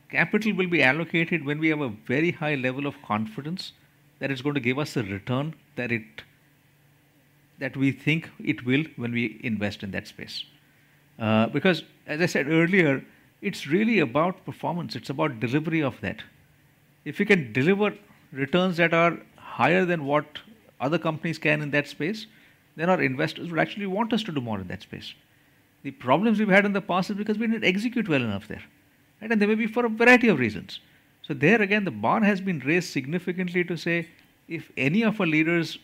capital will be allocated when we have a very high level of confidence that it's going to give us a return, that we think it will when we invest in that space. Because, as I said earlier, it's really about performance. It's about delivery of that. If we can deliver returns that are higher than what other companies can in that space, then our investors will actually want us to do more in that space. The problems we've had in the past is because we didn't execute well enough there, right? That may be for a variety of reasons. There again, the bar has been raised significantly to say, if any of our leaders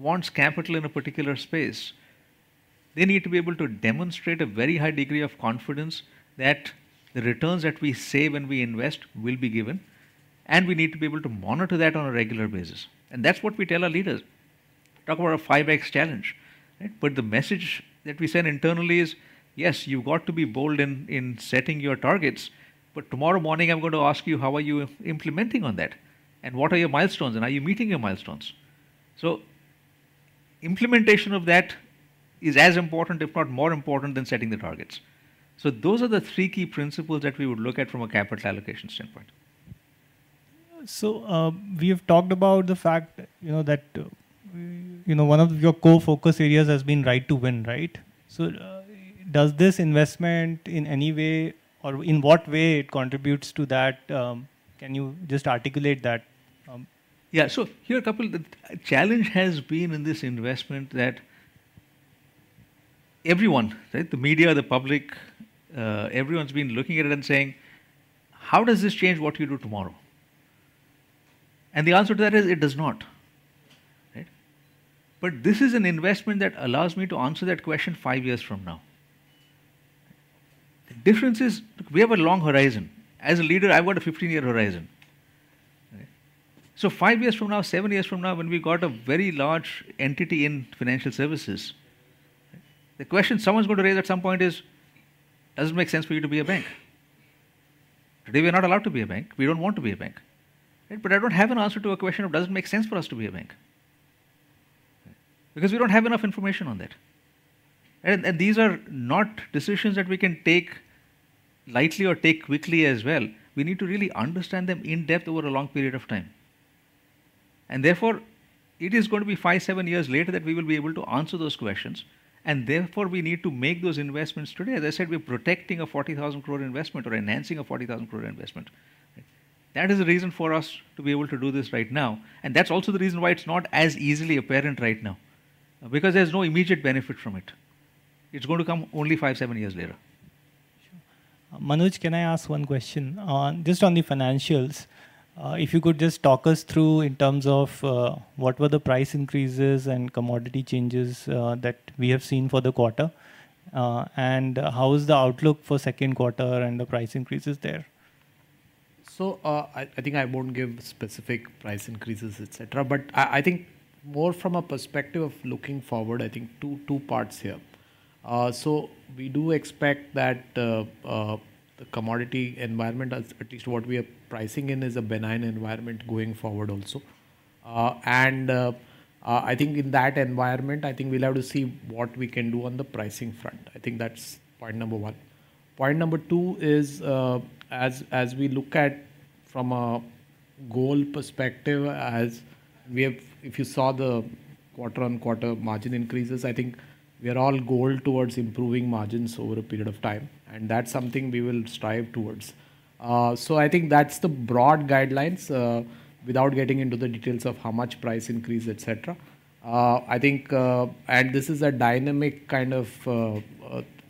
wants capital in a particular space, they need to be able to demonstrate a very high degree of confidence that the returns that we say when we invest will be given, and we need to be able to monitor that on a regular basis. That's what we tell our leaders. Talk about a 5x challenge, right? The message that we send internally is, "Yes, you've got to be bold in setting your targets, but tomorrow morning I'm going to ask you, how are you implementing on that? What are your milestones, and are you meeting your milestones?" Implementation of that is as important, if not more important than setting the targets. Those are the three key principles that we would look at from a capital allocation standpoint. We have talked about the fact, you know, that, you know, one of your core focus areas has been Right to Win, right? Does this investment in any way or in what way it contributes to that? Can you just articulate that? Yeah. Here, Kapil, the challenge has been in this investment that everyone, right, the media, the public, everyone's been looking at it and saying: "How does this change what you do tomorrow?" The answer to that is, it does not, right? This is an investment that allows me to answer that question five years from now. The difference is, we have a long horizon. As a leader, I've got a 15-year horizon, right? Five years from now, seven years from now, when we've got a very large entity in financial services, the question someone's going to raise at some point is: does it make sense for you to be a bank? Today, we are not allowed to be a bank. We don't want to be a bank, right? I don't have an answer to a question of does it make sense for us to be a bank. Because we don't have enough information on that. These are not decisions that we can take lightly or take quickly as well. We need to really understand them in depth over a long period of time. Therefore, it is going to be five to seven years later that we will be able to answer those questions, and therefore, we need to make those investments today. As I said, we're protecting an 40,000 crore investment or enhancing an 40,000 crore investment. That is the reason for us to be able to do this right now, and that's also the reason why it's not as easily apparent right now, because there's no immediate benefit from it. It's going to come only five to seven years later. Sure. Manoj, can I ask one question on, just on the financials? If you could just talk us through in terms of what were the price increases and commodity changes that we have seen for the quarter? How is the outlook for second quarter and the price increases there? I, I think I won't give specific price increases, et cetera, but I, I think more from a perspective of looking forward, I think two, two parts here. We do expect that the commodity environment, at, at least what we are pricing in, is a benign environment going forward also. I think in that environment, I think we'll have to see what we can do on the pricing front. I think that's point number one. Point number two is, as, as we look at from a goal perspective, if you saw the quarter-on-quarter margin increases, I think we are all goal towards improving margins over a period of time, and that's something we will strive towards. I think that's the broad guidelines, without getting into the details of how much price increase, et cetera. I think, this is a dynamic kind of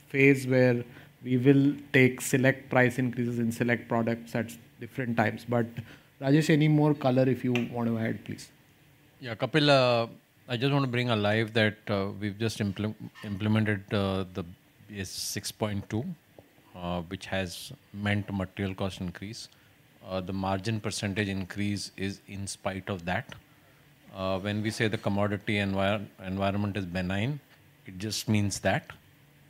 phase where we will take select price increases in select products at different times. Rajesh, any more color if you want to add, please? Yeah, Kapil, I just want to bring alive that we've just implemented the BS-VI point two, which has meant material cost increase. The margin percentage increase is in spite of that. When we say the commodity environment is benign, it just means that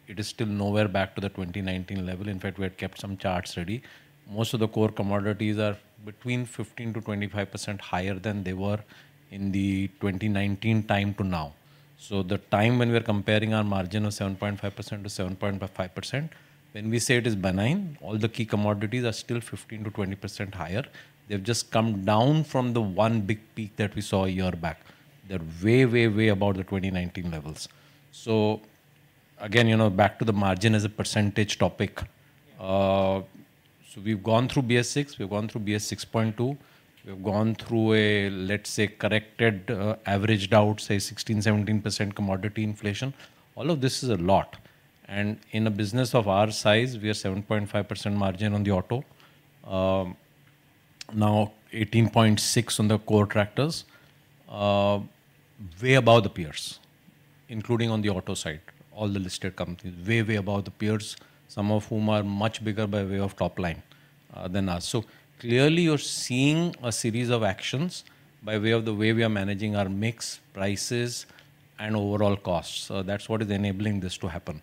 it is still nowhere back to the 2019 level. In fact, we had kept some charts ready. Most of the core commodities are between 15% to 25% higher than they were in the 2019 time to now. The time when we are comparing our margin of 7.5% to 7.5%, when we say it is benign, all the key commodities are still 15% to 20% higher. They've just come down from the 1 big peak that we saw 1 year back. They're way, way, way above the 2019 levels. Again, you know, back to the margin as a percentage topic. We've gone through BS-VI, we've gone through BS-VI point two, we've gone through a, let's say, corrected, averaged out, say, 16%-17% commodity inflation. All of this is a lot, and in a business of our size, we are 7.5% margin on the auto, now 18.6% on the core tractors, way above the peers, including on the auto side, all the listed companies. Way, way above the peers, some of whom are much bigger by way of top line than us. Clearly, you're seeing a series of actions by way of the way we are managing our mix, prices, and overall costs. That's what is enabling this to happen.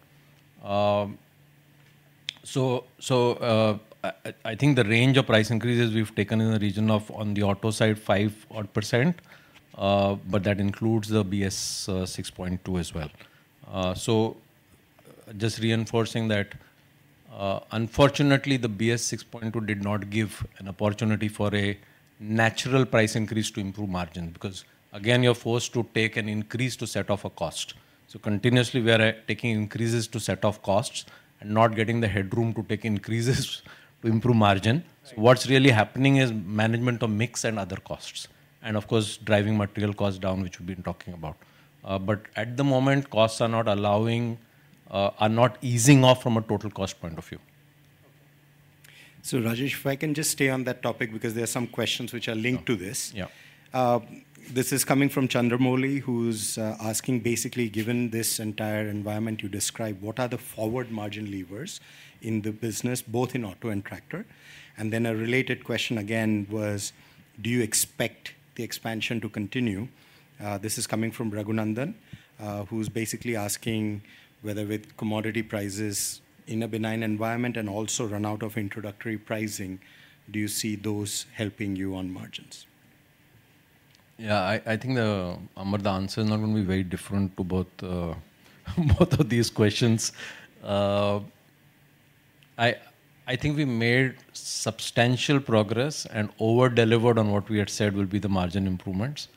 I, I, I think the range of price increases we've taken in the region of, on the auto side, 5 odd %, but that includes the BS 6.2 as well. Just reinforcing that, unfortunately, the BS 6.2 did not give an opportunity for a natural price increase to improve margin, because, again, you're forced to take an increase to set off a cost. Continuously we are taking increases to set off costs and not getting the headroom to take increases to improve margin. Right. What's really happening is management of mix and other costs, and of course, driving material costs down, which we've been talking about. But at the moment, costs are not allowing, are not easing off from a total cost point of view. Rajesh, if I can just stay on that topic, because there are some questions which are linked to this. Yeah. This is coming from Chandramouli, who's asking, basically, given this entire environment you describe, what are the forward margin levers in the business, both in auto and tractor? Then a related question again was, do you expect the expansion to continue? This is coming from Raghunandan, who's basically asking whether with commodity prices in a benign environment and also run out of introductory pricing, do you see those helping you on margins? Yeah, I, I think the, Amar, the answer is not going to be very different to both, both of these questions. I, I think we made substantial progress and over-delivered on what we had said would be the margin improvements.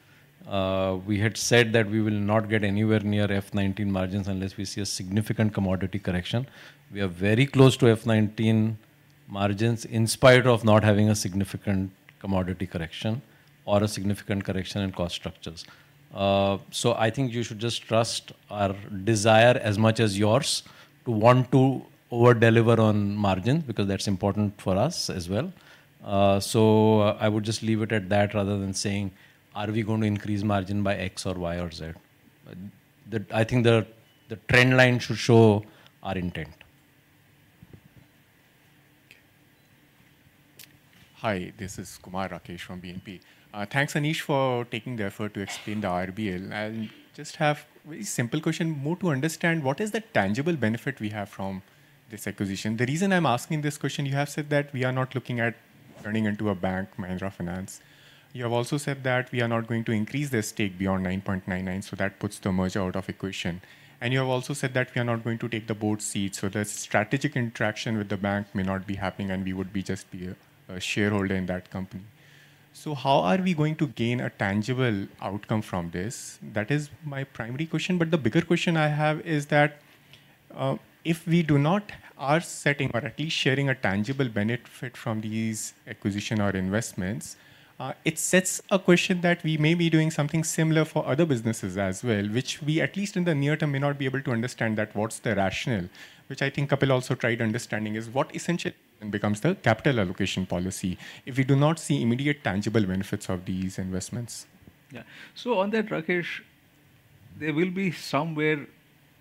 We had said that we will not get anywhere near F nineteen margins unless we see a significant commodity correction. We are very close to F nineteen margins, in spite of not having a significant commodity correction or a significant correction in cost structures. So I think you should just trust our desire as much as yours to want to over-deliver on margin, because that's important for us as well. So I would just leave it at that, rather than saying, "Are we going to increase margin by X or Y or Z?" I think the trend line should show our intent. Okay. Hi, this is Kumar Rakesh from BNP. Thanks, Anish, for taking the effort to explain the RBL. I'll just have very simple question, more to understand what is the tangible benefit we have from this acquisition? The reason I'm asking this question, you have said that we are not looking at turning into a bank, Mahindra Finance. You have also said that we are not going to increase the stake beyond 9.99, so that puts the merger out of equation. You have also said that we are not going to take the board seat, so the strategic interaction with the bank may not be happening, and we would be just be a shareholder in that company. How are we going to gain a tangible outcome from this? That is my primary question, but the bigger question I have is that, if we do not are setting or at least sharing a tangible benefit from these acquisition or investments, it sets a question that we may be doing something similar for other businesses as well, which we, at least in the near term, may not be able to understand that what's the rationale, which I think Kapil also tried understanding, is what essentially becomes the capital allocation policy if we do not see immediate tangible benefits of these investments? Yeah. On that, Rakesh, there will be somewhere,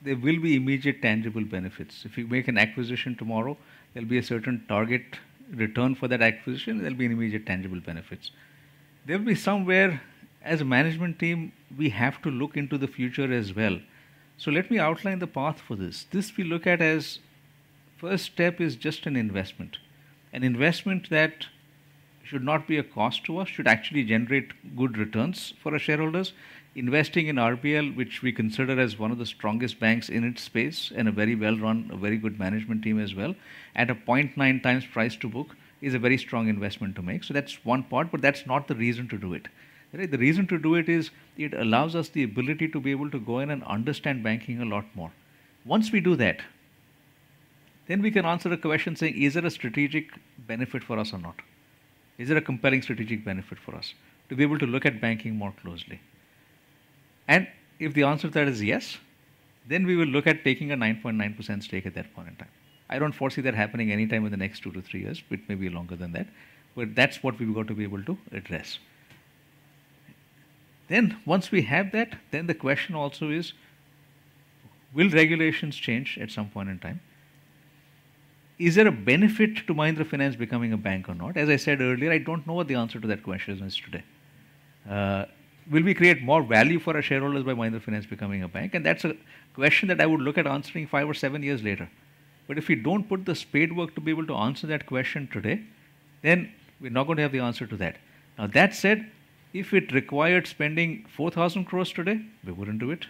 there will be immediate tangible benefits. If we make an acquisition tomorrow, there'll be a certain target return for that acquisition. There'll be an immediate tangible benefits. There will be somewhere, as a management team, we have to look into the future as well. Let me outline the path for this. This we look at as first step is just an investment. An investment that should not be a cost to us, should actually generate good returns for our shareholders. Investing in RBL, which we consider as one of the strongest banks in its space and a very well-run, a very good management team as well, at a 0.9x price to book, is a very strong investment to make. That's one part, but that's not the reason to do it. Right? The reason to do it is, it allows us the ability to be able to go in and understand banking a lot more. Once we do that, we can answer the question, say: Is it a strategic benefit for us or not? Is it a compelling strategic benefit for us to be able to look at banking more closely? If the answer to that is yes, we will look at taking a 9.9% stake at that point in time. I don't foresee that happening anytime in the next two to three years, it may be longer than that, but that's what we've got to be able to address. Once we have that, the question also is: Will regulations change at some point in time? Is there a benefit to Mahindra Finance becoming a bank or not? As I said earlier, I don't know what the answer to that question is today. Will we create more value for our shareholders by Mahindra Finance becoming a bank? That's a question that I would look at answering five or seven years later. If we don't put the spade work to be able to answer that question today, then we're not going to have the answer to that. That said, if it required spending 4,000 crore today, we wouldn't do it.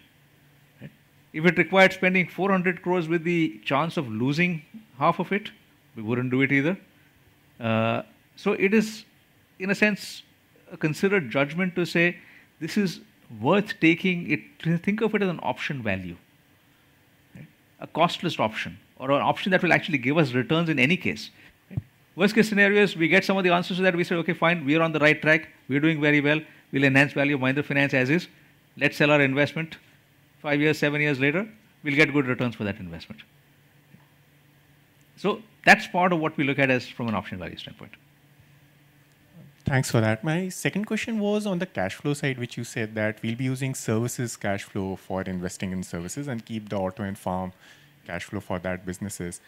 If it required spending 400 crore with the chance of losing half of it, we wouldn't do it either. It is, in a sense, a considered judgment to say this is worth taking it... Think of it as an option value, right? A costless option or an option that will actually give us returns in any case. Worst case scenario is we get some of the answers to that, we say, "Okay, fine, we are on the right track. We are doing very well. We'll enhance value of Mahindra Finance as is. Let's sell our investment. five years, seven years later, we'll get good returns for that investment." That's part of what we look at as from an option value standpoint. Thanks for that. My second question was on the cash flow side, which you said that we'll be using services cash flow for investing in services and keep the Auto and Farm cash flow for that businesses.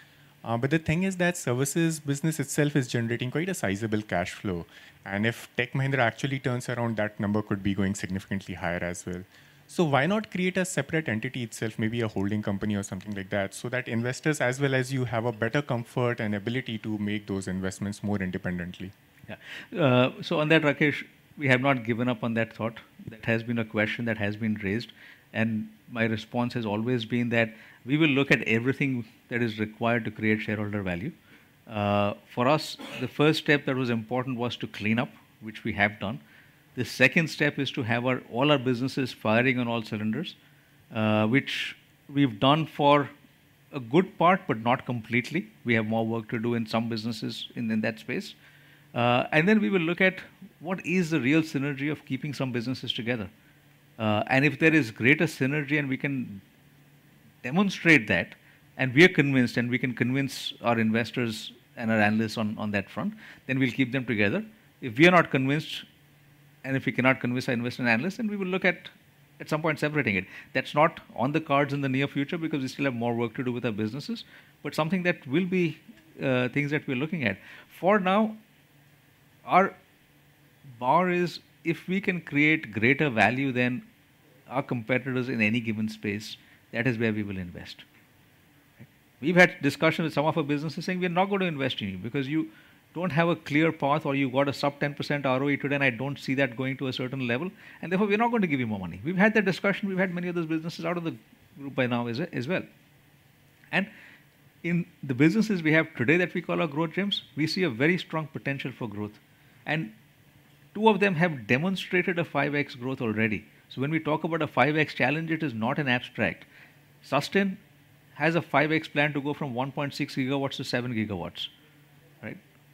The thing is that services business itself is generating quite a sizable cash flow, and if Tech Mahindra actually turns around, that number could be going significantly higher as well. Why not create a separate entity itself, maybe a holding company or something like that, so that investors, as well as you, have a better comfort and ability to make those investments more independently? Yeah. On that, Rakesh, we have not given up on that thought. That has been a question that has been raised, and my response has always been that we will look at everything that is required to create shareholder value. For us, the first step that was important was to clean up, which we have done. The second step is to have all our businesses firing on all cylinders, which we've done for a good part, but not completely. We have more work to do in some businesses in, in that space. Then we will look at what is the real synergy of keeping some businesses together. If there is greater synergy and we can demonstrate that, and we are convinced, and we can convince our investors and our analysts on, on that front, then we'll keep them together. If we are not convinced, and if we cannot convince our investor and analysts, then we will look at, at some point separating it. That's not on the cards in the near future because we still have more work to do with our businesses, but something that will be, things that we're looking at. For now, our bar is if we can create greater value than our competitors in any given space, that is where we will invest. We've had discussions with some of our businesses saying, "We're not going to invest in you because you don't have a clear path, or you've got a sub 10% ROE today, and I don't see that going to a certain level, and therefore, we're not going to give you more money." We've had that discussion. We've had many of those businesses out of the group by now as well. In the businesses we have today that we call our growth gems, we see a very strong potential for growth. Two of them have demonstrated a 5x growth already. When we talk about a 5x challenge, it is not an abstract. Susten has a 5x plan to go from 1.6 GW to 7 GW, right?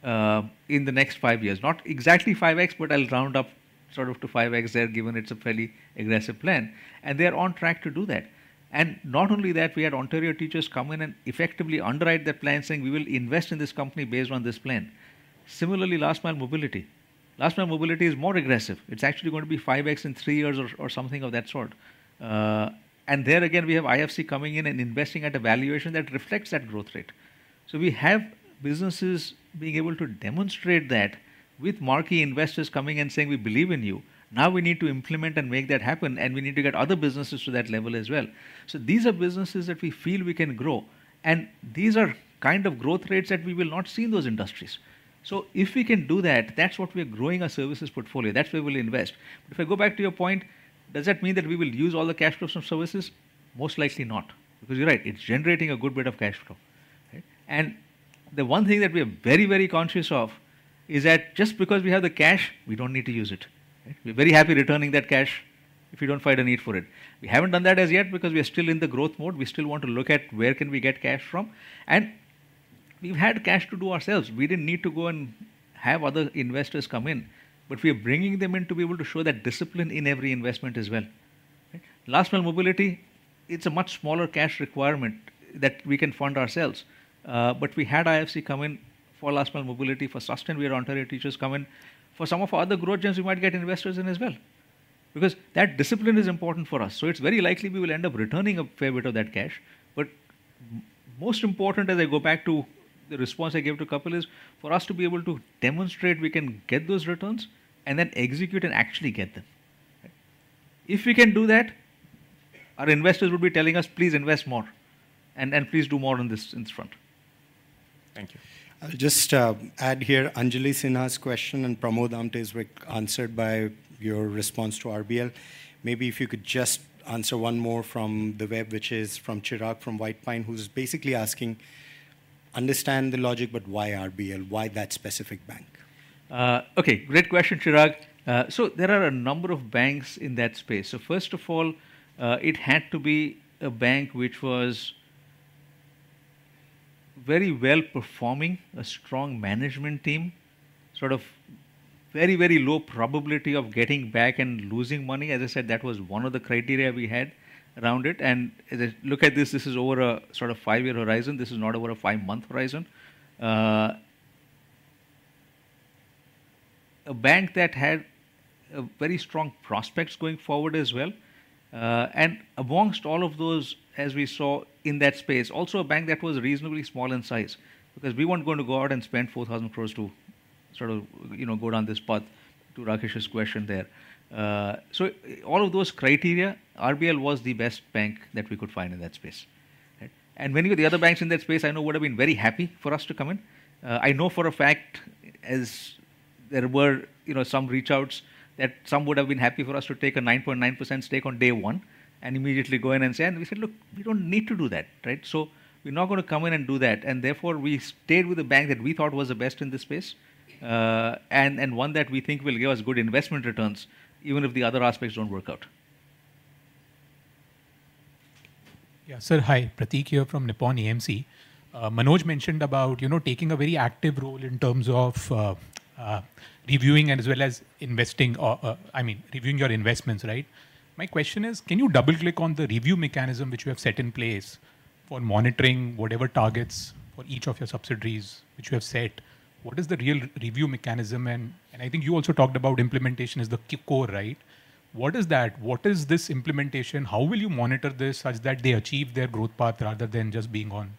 In the next five years. Not exactly 5x, but I'll round up sort of to 5x there, given it's a fairly aggressive plan, and they're on track to do that. Not only that, we had Ontario Teachers' come in and effectively underwrite that plan, saying: "We will invest in this company based on this plan." Similarly, Last Mile Mobility. Last Mile Mobility is more aggressive. It's actually going to be 5x in three years or something of that sort. There again, we have IFC coming in and investing at a valuation that reflects that growth rate. We have businesses being able to demonstrate that with marquee investors coming and saying, "We believe in you." Now we need to implement and make that happen, and we need to get other businesses to that level as well. These are businesses that we feel we can grow. These are kind of growth rates that we will not see in those industries. If we can do that, that's what we're growing our services portfolio, that's where we'll invest. If I go back to your point, does that mean that we will use all the cash flows from services? Most likely not, because you're right, it's generating a good bit of cash flow, okay? The one thing that we are very, very conscious of is that just because we have the cash, we don't need to use it, okay? We're very happy returning that cash if we don't find a need for it. We haven't done that as yet because we are still in the growth mode. We still want to look at where can we get cash from, and we've had cash to do ourselves. We didn't need to go and have other investors come in, but we are bringing them in to be able to show that discipline in every investment as well, okay? Last mile mobility, it's a much smaller cash requirement that we can fund ourselves. We had IFC come in for last mile mobility, for Sustained, we had Ontario Teachers come in. For some of our other growth gens, we might get investors in as well, because that discipline is important for us. It's very likely we will end up returning a fair bit of that cash. Most important, as I go back to the response I gave to Kapil, is for us to be able to demonstrate we can get those returns and then execute and actually get them, okay? If we can do that, our investors will be telling us, "Please invest more, and please do more on this, in this front. Thank you. I'll just add here, Anjali Sinha's question and Pramod Amte's were answered by your response to RBL. Maybe if you could just answer one more from the web, which is from Chirag, from White Pine, who's basically asking: understand the logic, but why RBL? Why that specific bank? Okay, great question, Chirag. There are a number of banks in that space. First of all, it had to be a bank which was very well-performing, a strong management team, sort of very, very low probability of getting back and losing money. As I said, that was one of the criteria we had around it. As I look at this, this is over a sort of five-year horizon. This is not over a five-month horizon. A bank that had very strong prospects going forward as well. Amongst all of those, as we saw in that space, also a bank that was reasonably small in size, because we weren't going to go out and spend 4,000 crore to sort of, you know, go down this path, to Rakesh's question there. All of those criteria, RBL was the best bank that we could find in that space, okay? Many of the other banks in that space, I know, would have been very happy for us to come in. I know for a fact, as there were, you know, some reach outs, that some would have been happy for us to take a 9.9% stake on day one and immediately go in and say... We said, "Look, we don't need to do that," right? We're not gonna come in and do that, and therefore, we stayed with the bank that we thought was the best in this space, and, and one that we think will give us good investment returns, even if the other aspects don't work out. Yeah. Sir, hi, Pratik here from Nippon AMC. Manoj mentioned about, you know, taking a very active role in terms of reviewing and as well as investing or, I mean, reviewing your investments, right? My question is, can you double-click on the review mechanism which you have set in place for monitoring whatever targets for each of your subsidiaries, which you have set? What is the real review mechanism? I think you also talked about implementation as the key core, right? What is that? What is this implementation? How will you monitor this such that they achieve their growth path rather than just being on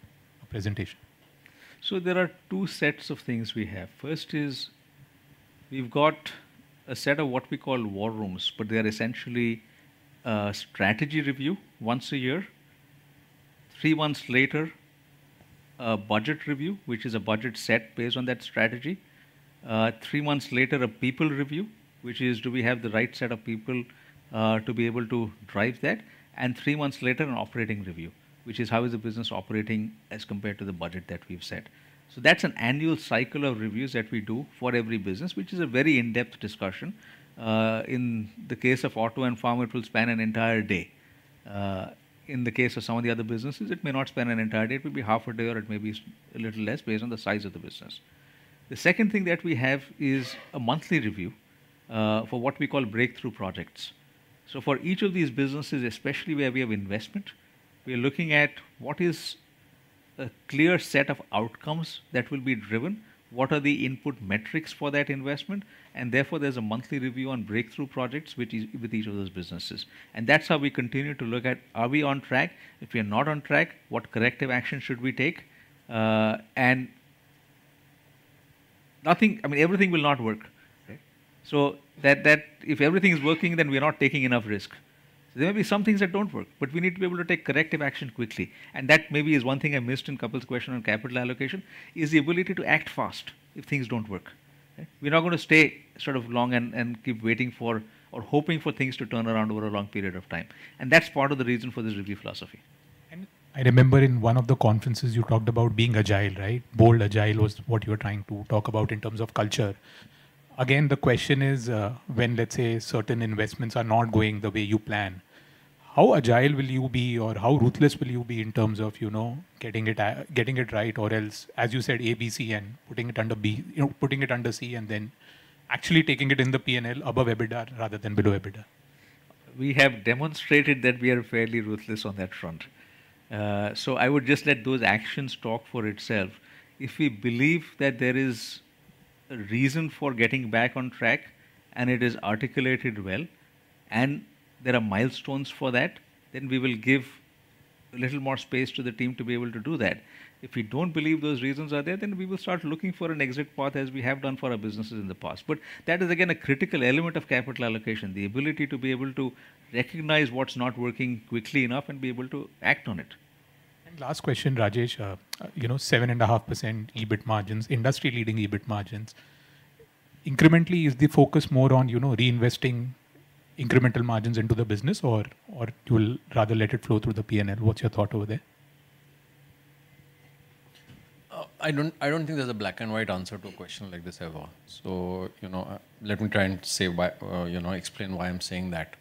a presentation? There are two sets of things we have. First is, we've got a set of what we call war rooms, but they are essentially a strategy review once a year. Three months later, a budget review, which is a budget set based on that strategy. Three months later, a people review, which is, do we have the right set of people, to be able to drive that? Three months later, an operating review, which is, how is the business operating as compared to the budget that we've set? That's an annual cycle of reviews that we do for every business, which is a very in-depth discussion. In the case of Auto and Farm, it will span an entire day. In the case of some of the other businesses, it may not span an entire day. It will be half a day, or it may be a little less, based on the size of the business. The second thing that we have is a monthly review, for what we call breakthrough projects. For each of these businesses, especially where we have investment, we are looking at what is a clear set of outcomes that will be driven, what are the input metrics for that investment, and therefore, there's a monthly review on breakthrough projects with each, with each of those businesses. That's how we continue to look at: are we on track? If we are not on track, what corrective action should we take? I mean, everything will not work, okay? If everything is working, then we are not taking enough risk. There will be some things that don't work, but we need to be able to take corrective action quickly. That maybe is one thing I missed in Kapil's question on capital allocation, is the ability to act fast if things don't work, okay? We're not gonna stay sort of long and keep waiting for or hoping for things to turn around over a long period of time, and that's part of the reason for this review philosophy. I remember in one of the conferences, you talked about being agile, right? Bold, agile was what you were trying to talk about in terms of culture. Again, the question is, when, let's say, certain investments are not going the way you plan, how agile will you be, or how ruthless will you be in terms of, you know, getting it, getting it right, or else, as you said, A, B, C, and putting it under B, you know, putting it under C, and then actually taking it in the P&L above EBITDA rather than below EBITDA? We have demonstrated that we are fairly ruthless on that front. I would just let those actions talk for itself. If we believe that there is a reason for getting back on track, and it is articulated well, and there are milestones for that, then we will give a little more space to the team to be able to do that. If we don't believe those reasons are there, then we will start looking for an exit path, as we have done for our businesses in the past. That is, again, a critical element of capital allocation, the ability to be able to recognize what's not working quickly enough and be able to act on it. ... Last question, Rajesh, you know, 7.5% EBIT margins, industry-leading EBIT margins. Incrementally, is the focus more on, you know, reinvesting incremental margins into the business or, or to rather let it flow through the P&L? What's your thought over there? I don't, I don't think there's a black and white answer to a question like this ever. You know, let me try and say why, you know, explain why I'm saying that.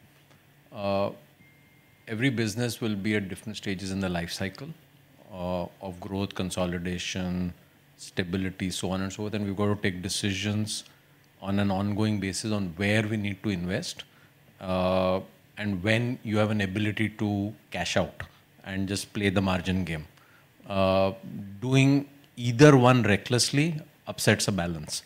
Every business will be at different stages in the life cycle, of growth, consolidation, stability, so on and so forth, and we've got to take decisions on an ongoing basis on where we need to invest, and when you have an ability to cash out and just play the margin game. Doing either one recklessly upsets a balance,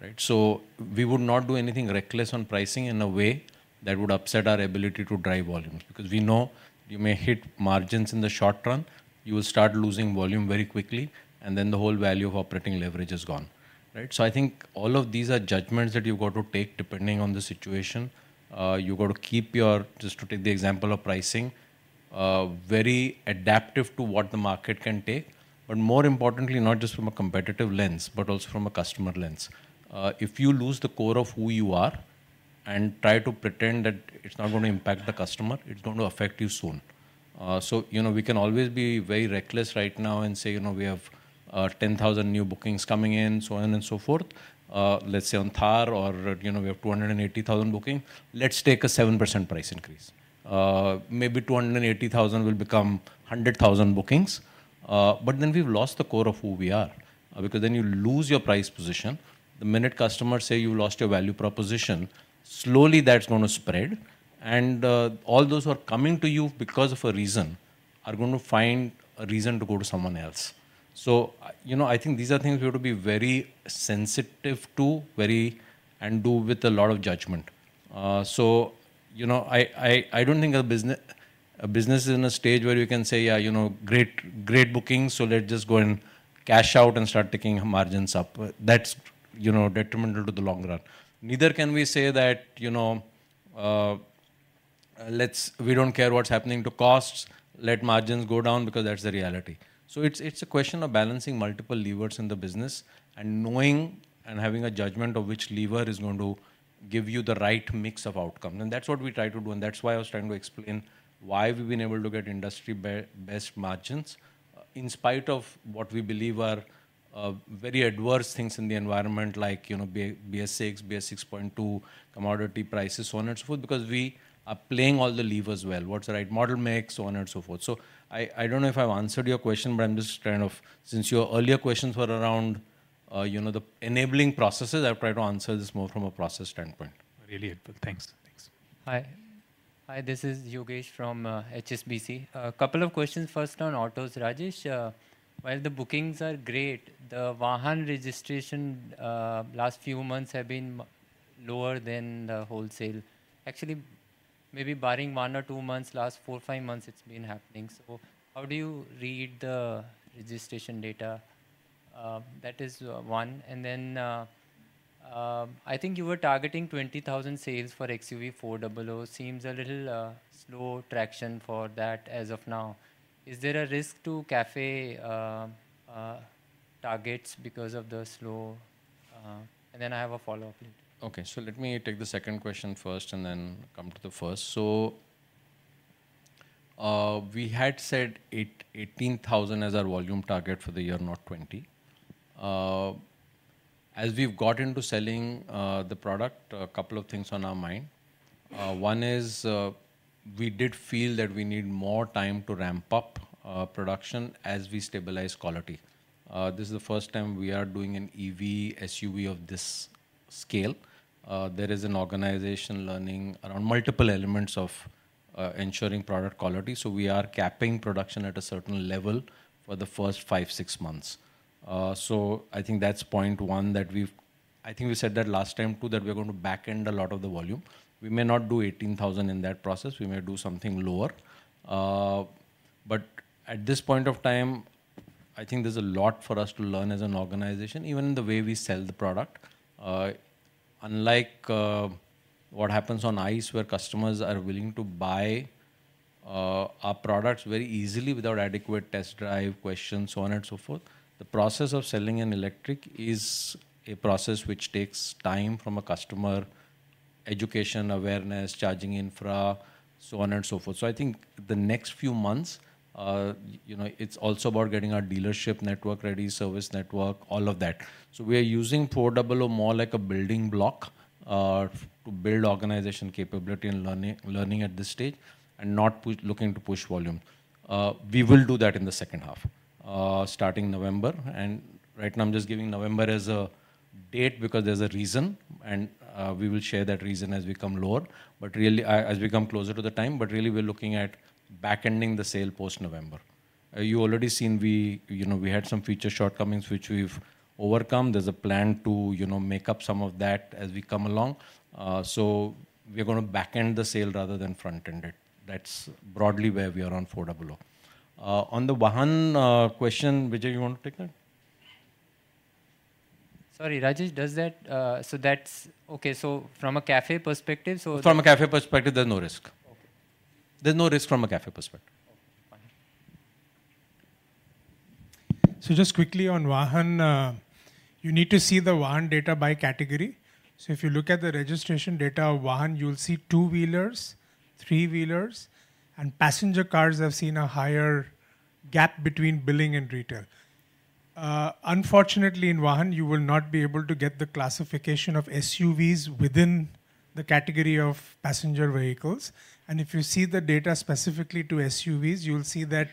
right? We would not do anything reckless on pricing in a way that would upset our ability to drive volumes, because we know you may hit margins in the short run, you will start losing volume very quickly, and then the whole value of operating leverage is gone, right? I think all of these are judgments that you've got to take depending on the situation. You've got to keep your... Just to take the example of pricing, very adaptive to what the market can take, but more importantly, not just from a competitive lens, but also from a customer lens. If you lose the core of who you are and try to pretend that it's not going to impact the customer, it's going to affect you soon. You know, we can always be very reckless right now and say, "You know, we have, 10,000 new bookings coming in," so on and so forth. Let's say on Thar or, you know, we have 280,000 booking. Let's take a 7% price increase. maybe 280,000 will become 100,000 bookings, but then we've lost the core of who we are, because then you lose your price position. The minute customers say you lost your value proposition, slowly that's going to spread, and all those who are coming to you because of a reason are going to find a reason to go to someone else. You know, I think these are things we ought to be very sensitive to, and do with a lot of judgment. You know, I, I, I don't think a business is in a stage where you can say, "Yeah, you know, great, great bookings, so let's just go and cash out and start taking margins up." That's, you know, detrimental to the long run. Neither can we say that, you know, we don't care what's happening to costs, let margins go down because that's the reality. It's, it's a question of balancing multiple levers in the business and knowing and having a judgment of which lever is going to give you the right mix of outcome. That's what we try to do, and that's why I was trying to explain why we've been able to get industry best margins, in spite of what we believe are, very adverse things in the environment like, you know, BS6, BS6.2, commodity prices, so on and so forth, because we are playing all the levers well. What's the right model mix, so on and so forth. I, I don't know if I've answered your question, but I'm just trying to... Since your earlier questions were around, you know, the enabling processes, I've tried to answer this more from a process standpoint. Really helpful. Thanks. Thanks. Hi. Hi, this is Yogesh from HSBC. A couple of questions. First, on autos, Rajesh, while the bookings are great, the Vahan registration last few months have been lower than the wholesale. Actually, maybe barring one or two months, last four, five months, it's been happening. How do you read the registration data? That is one. I think you were targeting 20,000 sales for XUV400. Seems a little slow traction for that as of now. Is there a risk to CAFE targets because of the slow... I have a follow-up later. Okay, let me take the second question first and then come to the first. We had said 18,000 as our volume target for the year, not 20. As we've got into selling the product, a couple of things on our mind. One is, we did feel that we need more time to ramp up production as we stabilize quality. This is the first time we are doing an EV SUV of this scale. There is an organization learning around multiple elements of ensuring product quality, so we are capping production at a certain level for the first five, six months. I think that's point one, that I think we said that last time, too, that we are going to back end a lot of the volume. We may not do 18,000 in that process. We may do something lower. But at this point of time, I think there's a lot for us to learn as an organization, even in the way we sell the product. Unlike what happens on ICE, where customers are willing to buy our products very easily without adequate test drive, questions, so on and so forth, the process of selling an electric is a process which takes time from a customer, education, awareness, charging infra, so on and so forth. I think the next few months, you know, it's also about getting our dealership network ready, service network, all of that. We are using 400 more like a building block to build organization capability and learning, learning at this stage, and not looking to push volume. We will do that in the second half, starting November. Right now, I'm just giving November as a date because there's a reason, and we will share that reason as we come lower, but really as we come closer to the time, but really, we're looking at back ending the sale post-November. You already seen, we, you know, we had some feature shortcomings, which we've overcome. There's a plan to, you know, make up some of that as we come along. We are going to back end the sale rather than front end it. That's broadly where we are on 400. On the Vahan question, Vijay, you want to take that?... Sorry, Rajesh, does that? Okay, from a CAFE perspective, From a CAFE perspective, there's no risk. Okay. There's no risk from a CAFE perspective. Okay, fine. Just quickly on Vahan, you need to see the Vahan data by category. If you look at the registration data of Vahan, you'll see two-wheelers, three-wheelers, and passenger cars have seen a higher gap between billing and retail. Unfortunately, in Vahan, you will not be able to get the classification of SUVs within the category of passenger vehicles. If you see the data specifically to SUVs, you'll see that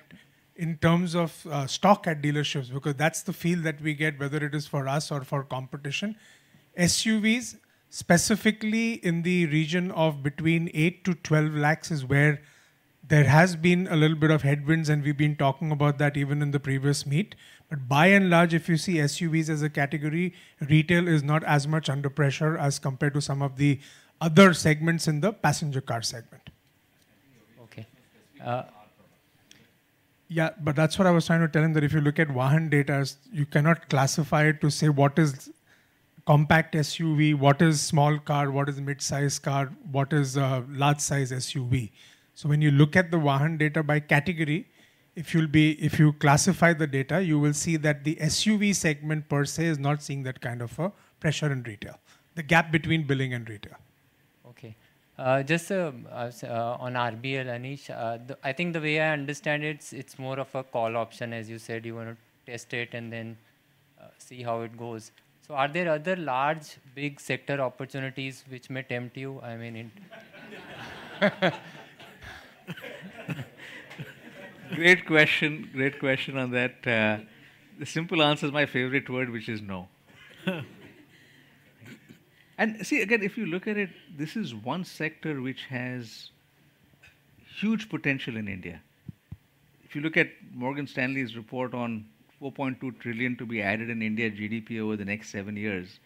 in terms of stock at dealerships, because that's the feed that we get, whether it is for us or for competition. SUVs, specifically in the region of between 8 lakhs-12 lakhs, is where there has been a little bit of headwinds, and we've been talking about that even in the previous meet. By and large, if you see SUVs as a category, retail is not as much under pressure as compared to some of the other segments in the passenger car segment. Okay. Yeah, but that's what I was trying to tell him, that if you look at Vahan data, you cannot classify it to say, what is compact SUV? What is small car? What is mid-size car? What is large-size SUV? When you look at the Vahan data by category, if you classify the data, you will see that the SUV segment per se, is not seeing that kind of pressure in retail. The gap between billing and retail. Okay. Just on RBL, Anish, the, I think the way I understand it, it's more of a call option. As you said, you want to test it and then, see how it goes. Are there other large, big sector opportunities which may tempt you? I mean, Great question. Great question on that. The simple answer is my favorite word, which is no. See, again, if you look at it, this is one sector which has huge potential in India. If you look at Morgan Stanley's report on $4.2 trillion to be added in India GDP over the next seven years,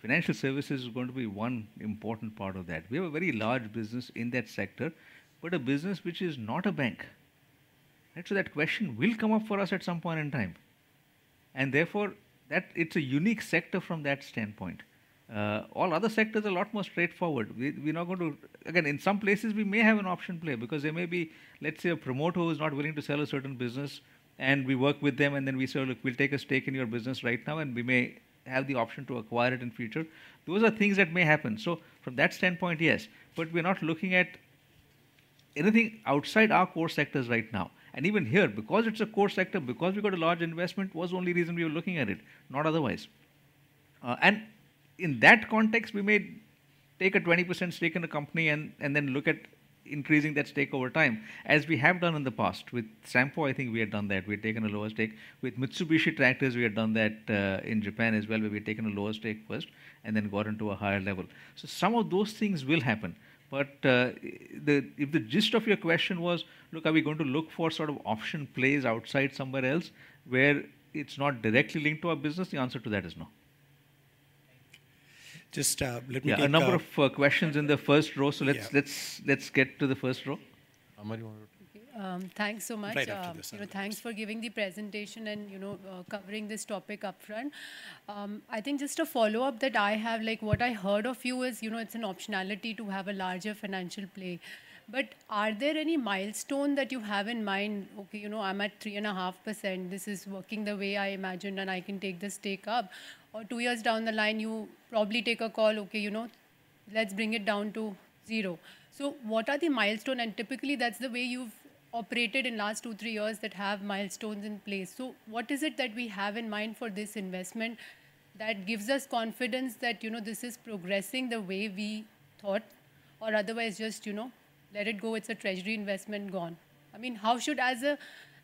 financial services is going to be one important part of that. We have a very large business in that sector, but a business which is not a bank. So that question will come up for us at some point in time, and therefore, that. It's a unique sector from that standpoint. All other sectors are a lot more straightforward. We, we're not going to... Again, in some places we may have an option play because there may be, let's say, a promoter who is not willing to sell a certain business, and we work with them, and then we say, "Look, we'll take a stake in your business right now, and we may have the option to acquire it in future." Those are things that may happen. From that standpoint, yes, but we're not looking at anything outside our core sectors right now. Even here, because it's a core sector, because we've got a large investment, was the only reason we were looking at it, not otherwise. In that context, we may take a 20% stake in the company and, and then look at increasing that stake over time, as we have done in the past. With Sampo, I think we had done that. We'd taken a lower stake. With Mitsubishi Tractors, we had done that in Japan as well, where we'd taken a lower stake first and then got into a higher level. Some of those things will happen. If the gist of your question was, look, are we going to look for sort of option plays outside somewhere else where it's not directly linked to our business? The answer to that is no. Just Yeah, a number of questions in the first row. Yeah. Let's get to the first row. Amari, you want to- Thanks so much. Right after this. Thanks for giving the presentation and, you know, covering this topic upfront. I think just a follow-up that I have, like, what I heard of you is, you know, it's an optionality to have a larger financial play. But are there any milestone that you have in mind? Okay, you know, I'm at 3.5%. This is working the way I imagined, and I can take the stake up. Or two years down the line, you probably take a call, okay, you know, let's bring it down to zero. So what are the milestone? And typically, that's the way you've operated in last two, three years, that have milestones in place. What is it that we have in mind for this investment that gives us confidence that, you know, this is progressing the way we thought or otherwise, just, you know, let it go, it's a treasury investment gone? I mean, how should, as a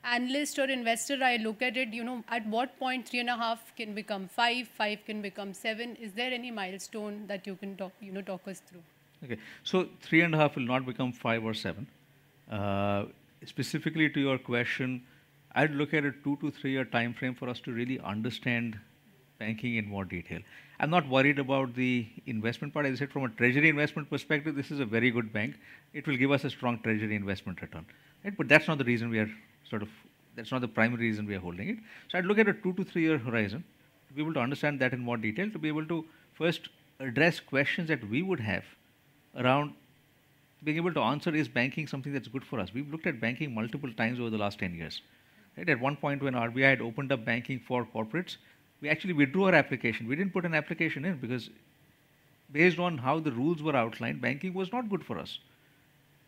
analyst or investor, I look at it, you know, at what point 3.5 can become 5, 5 can become 7? Is there any milestone that you can talk, you know, talk us through? Okay. 3.5% will not become 5% or 7%. Specifically to your question, I'd look at a two to three year timeframe for us to really understand banking in more detail. I'm not worried about the investment part. As I said, from a treasury investment perspective, this is a very good bank. It will give us a strong treasury investment return. Right, but that's not the reason that's not the primary reason we are holding it. I'd look at a two to three year horizon to be able to understand that in more detail, to be able to first address questions that we would have around being able to answer: Is banking something that's good for us? We've looked at banking multiple times over the last 10 years. Right, at one point, when RBI had opened up banking for corporates, we actually withdrew our application. We didn't put an application in because based on how the rules were outlined, banking was not good for us.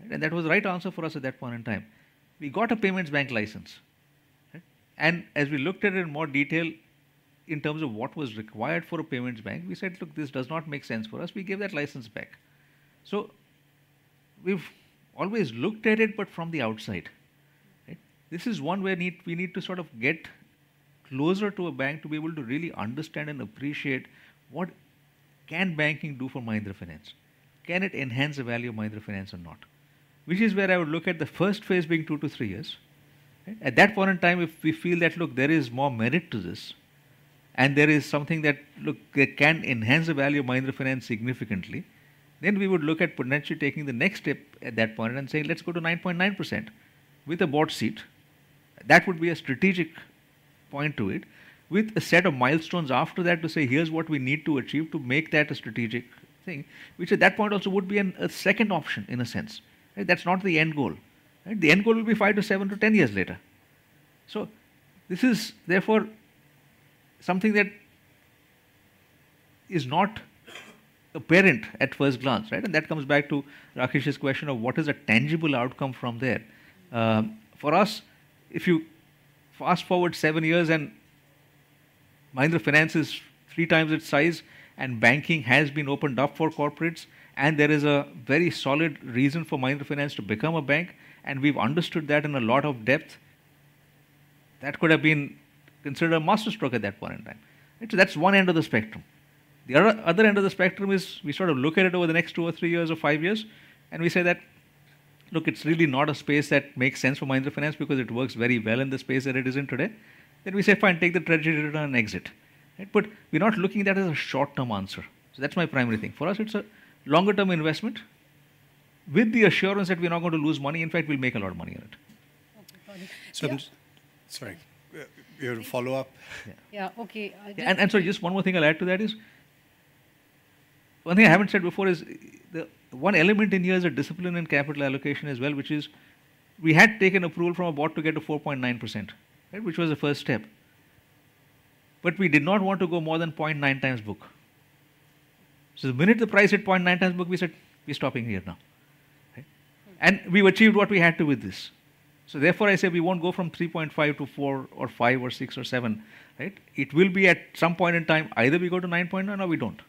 That was the right answer for us at that point in time. We got a payments bank license, right? As we looked at it in more detail in terms of what was required for a payments bank, we said, "Look, this does not make sense for us." We gave that license back. We've always looked at it, but from the outside, right? This is one where we need to sort of get closer to a bank to be able to really understand and appreciate what can banking do for Mahindra Finance. Can it enhance the value of Mahindra Finance or not? Which is where I would look at the first phase being two to three years. Right, at that point in time, if we feel that, look, there is more merit to this, and there is something that, look, that can enhance the value of Mahindra Finance significantly, then we would look at potentially taking the next step at that point and say, "Let's go to 9.9% with a board seat." That would be a strategic point to it, with a set of milestones after that to say, "Here's what we need to achieve to make that a strategic thing," which at that point also would be a second option in a sense, right? That's not the end goal, right? The end goal will be 5-7 to 10 years later. This is therefore something that is not apparent at first glance, right? That comes back to Rakesh's question of: What is a tangible outcome from there? For us, if you fast-forward seven years and Mahindra Finance is 3x its size, and banking has been opened up for corporates, and there is a very solid reason for Mahindra Finance to become a bank, and we've understood that in a lot of depth, that could have been considered a masterstroke at that point in time. That's one end of the spectrum. The other, other end of the spectrum is we sort of look at it over the next two or three years or five years, and we say that, "Look, it's really not a space that makes sense for Mahindra Finance because it works very well in the space that it is in today." We say, "Fine, take the treasury and exit." Right? We're not looking at that as a short-term answer. That's my primary thing. For us, it's a longer-term investment with the assurance that we're not going to lose money. In fact, we'll make a lot of money on it. Okay, got it. So- Yeah. Sorry. You have a follow-up? Yeah. Okay, Just one more thing I'll add to that is. One thing I haven't said before is one element in here is a discipline in capital allocation as well, which is we had taken approval from our board to get to 4.9%, right? Which was the first step. We did not want to go more than 0.9x book. The minute the price hit 0.9x book, we said, "We're stopping here now." Right? We've achieved what we had to with this. Therefore, I say we won't go from 3.5% to 4% or 5% or 6% or 7%, right? It will be at some point in time, either we go to 9.9% or we don't.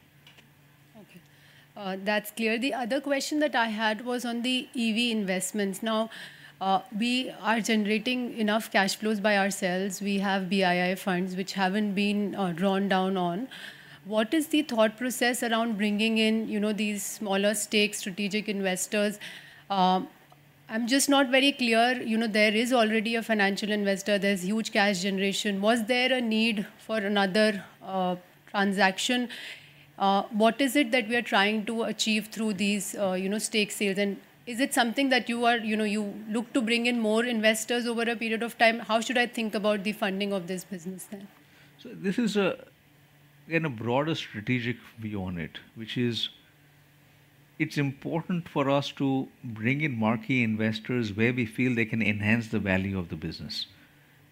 Okay, that's clear. The other question that I had was on the EV investments. Now, we are generating enough cash flows by ourselves. We have BII funds, which haven't been drawn down on. What is the thought process around bringing in, you know, these smaller stake strategic investors? I'm just not very clear, you know, there is already a financial investor, there's huge cash generation. Was there a need for another transaction? What is it that we are trying to achieve through these, you know, stake sales? Is it something that you are-- you know, you look to bring in more investors over a period of time? How should I think about the funding of this business then? This is a, in a broader strategic view on it, which is, it's important for us to bring in marquee investors where we feel they can enhance the value of the business.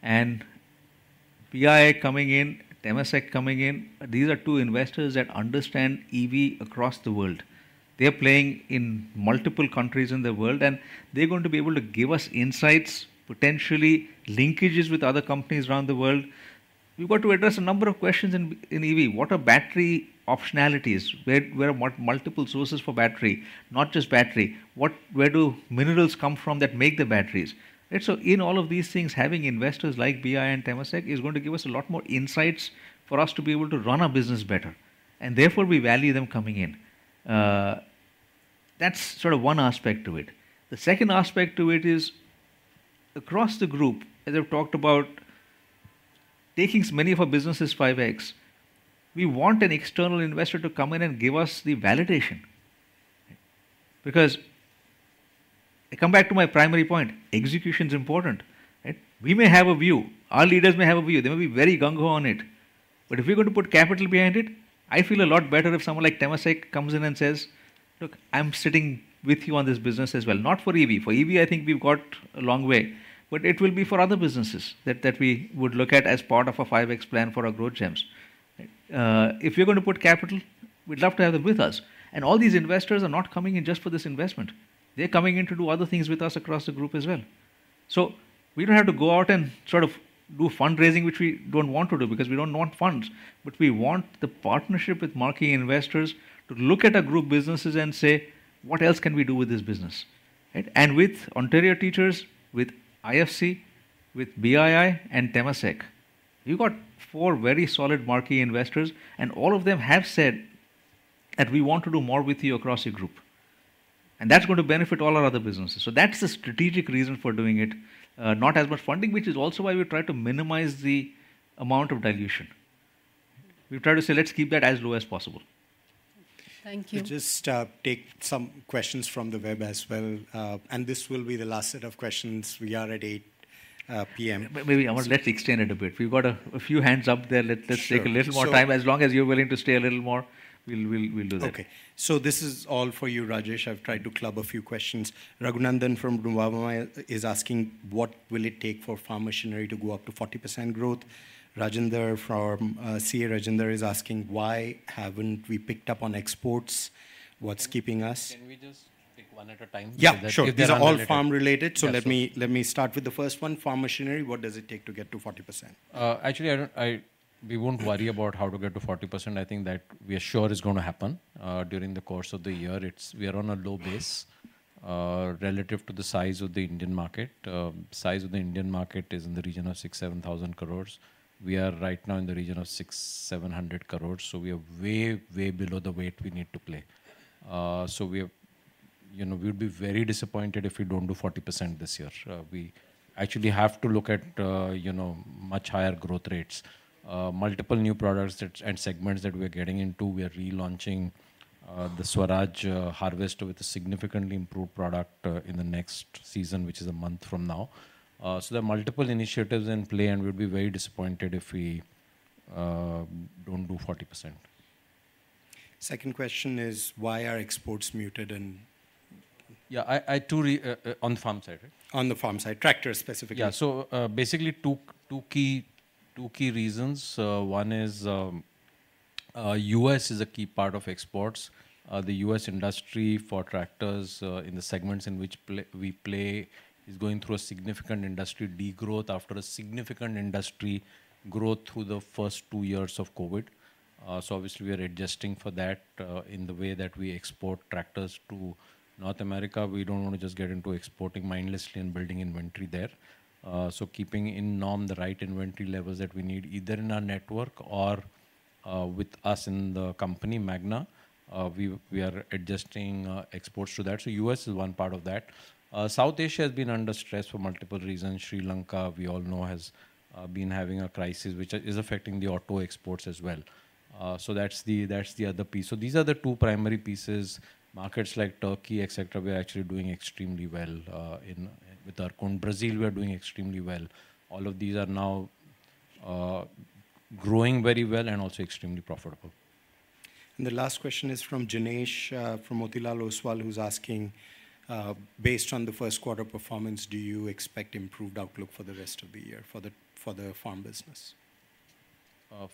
BII coming in, Temasek coming in, these are two investors that understand EV across the world. They're playing in multiple countries in the world, and they're going to be able to give us insights, potentially linkages with other companies around the world. We've got to address a number of questions in, in EV. What are battery optionalities? Where, where are multiple sources for battery, not just battery. Where do minerals come from that make the batteries, right? In all of these things, having investors like BII and Temasek is going to give us a lot more insights for us to be able to run our business better, and therefore, we value them coming in. That's sort of one aspect to it. The second aspect to it is, across the group, as I've talked about taking many of our businesses 5x, we want an external investor to come in and give us the validation. I come back to my primary point: execution is important, right? We may have a view, our leaders may have a view, they may be very gung ho on it, but if we're going to put capital behind it, I feel a lot better if someone like Temasek comes in and says, "Look, I'm sitting with you on this business as well." Not for EV. For EV, I think we've got a long way, but it will be for other businesses that, that we would look at as part of a 5x plan for our growth gems, right? If we're going to put capital, we'd love to have them with us. All these investors are not coming in just for this investment. They're coming in to do other things with us across the group as well. We don't have to go out and sort of do fundraising, which we don't want to do because we don't want funds. We want the partnership with marquee investors to look at our group businesses and say: What else can we do with this business, right? With Ontario Teachers, with IFC, with BII, and Temasek, you got four very solid marquee investors, and all of them have said that we want to do more with you across the group, and that's going to benefit all our other businesses. That's the strategic reason for doing it, not as much funding, which is also why we try to minimize the amount of dilution. We've tried to say, "Let's keep that as low as possible. Thank you. We'll just take some questions from the web as well. This will be the last set of questions. We are at 8 PM. Maybe I want let's extend it a bit. We've got a few hands up there. Sure. Let's take a little more time. As long as you're willing to stay a little more, we'll, we'll, we'll do that. Okay. This is all for you, Rajesh. I've tried to club a few questions. Raghunandan from Rumumai is asking: What will it take for farm machinery to go up to 40% growth? Rajender from, CA Rajender is asking: Why haven't we picked up on exports? What's keeping us? Can we just take one at a time? Yeah, sure. So that- These are all farm related. Yes. Let me, let me start with the first one. Farm machinery, what does it take to get to 40%? actually, I don't-- I-- we won't worry about how to get to 40%. I think that we are sure it's gonna happen during the course of the year. It's-- we are on a low base relative to the size of the Indian market. size of the Indian market is in the region of 6,000-7,000 crore. We are right now in the region of 600-700 crore, so we are way, way below the weight we need to play. so we're... You know, we'll be very disappointed if we don't do 40% this year. we actually have to look at, you know, much higher growth rates, multiple new products that, and segments that we are getting into. We are relaunching a-... the Swaraj harvest with a significantly improved product in the next season, which is a month from now. There are multiple initiatives in play, and we'll be very disappointed if we don't do 40%. Second question is, why are exports muted? Yeah, I, I, too, on the farm side, right? On the farm side, tractors specifically. Yeah. Basically, two, two key, two key reasons. One is, U.S. is a key part of exports. The U.S. industry for tractors, in the segments in which we play, is going through a significant industry degrowth after a significant industry growth through the first two years of COVID. Obviously we are adjusting for that, in the way that we export tractors to North America. We don't want to just get into exporting mindlessly and building inventory there. Keeping in norm the right inventory levels that we need, either in our network or, with us in the company, Magna, we, we are adjusting exports to that. U.S. is one part of that. South Asia has been under stress for multiple reasons. Sri Lanka, we all know, has been having a crisis which is affecting the auto exports as well. That's the, that's the other piece. These are the two primary pieces. Markets like Turkey, et cetera, we are actually doing extremely well, Brazil, we are doing extremely well. All of these are now growing very well and also extremely profitable. The last question is from Jinesh from Motilal Oswal, who's asking: "Based on the first quarter performance, do you expect improved outlook for the rest of the year, for the farm business?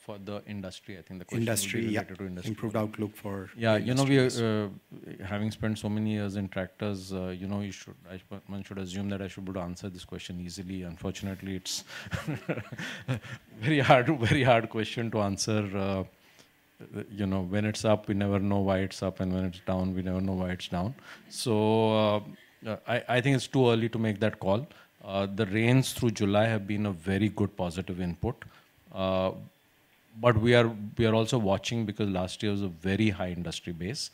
for the industry, I think the question- Industry, yeah. Related to industry. Improved outlook. Yeah. You know, we are, having spent so many years in tractors, you know, one should assume that I should be able to answer this question easily. Unfortunately, it's very hard, very hard question to answer. You know, when it's up, we never know why it's up, and when it's down, we never know why it's down. I, I think it's too early to make that call. The rains through July have been a very good positive input. We are, we are also watching because last year was a very high industry base.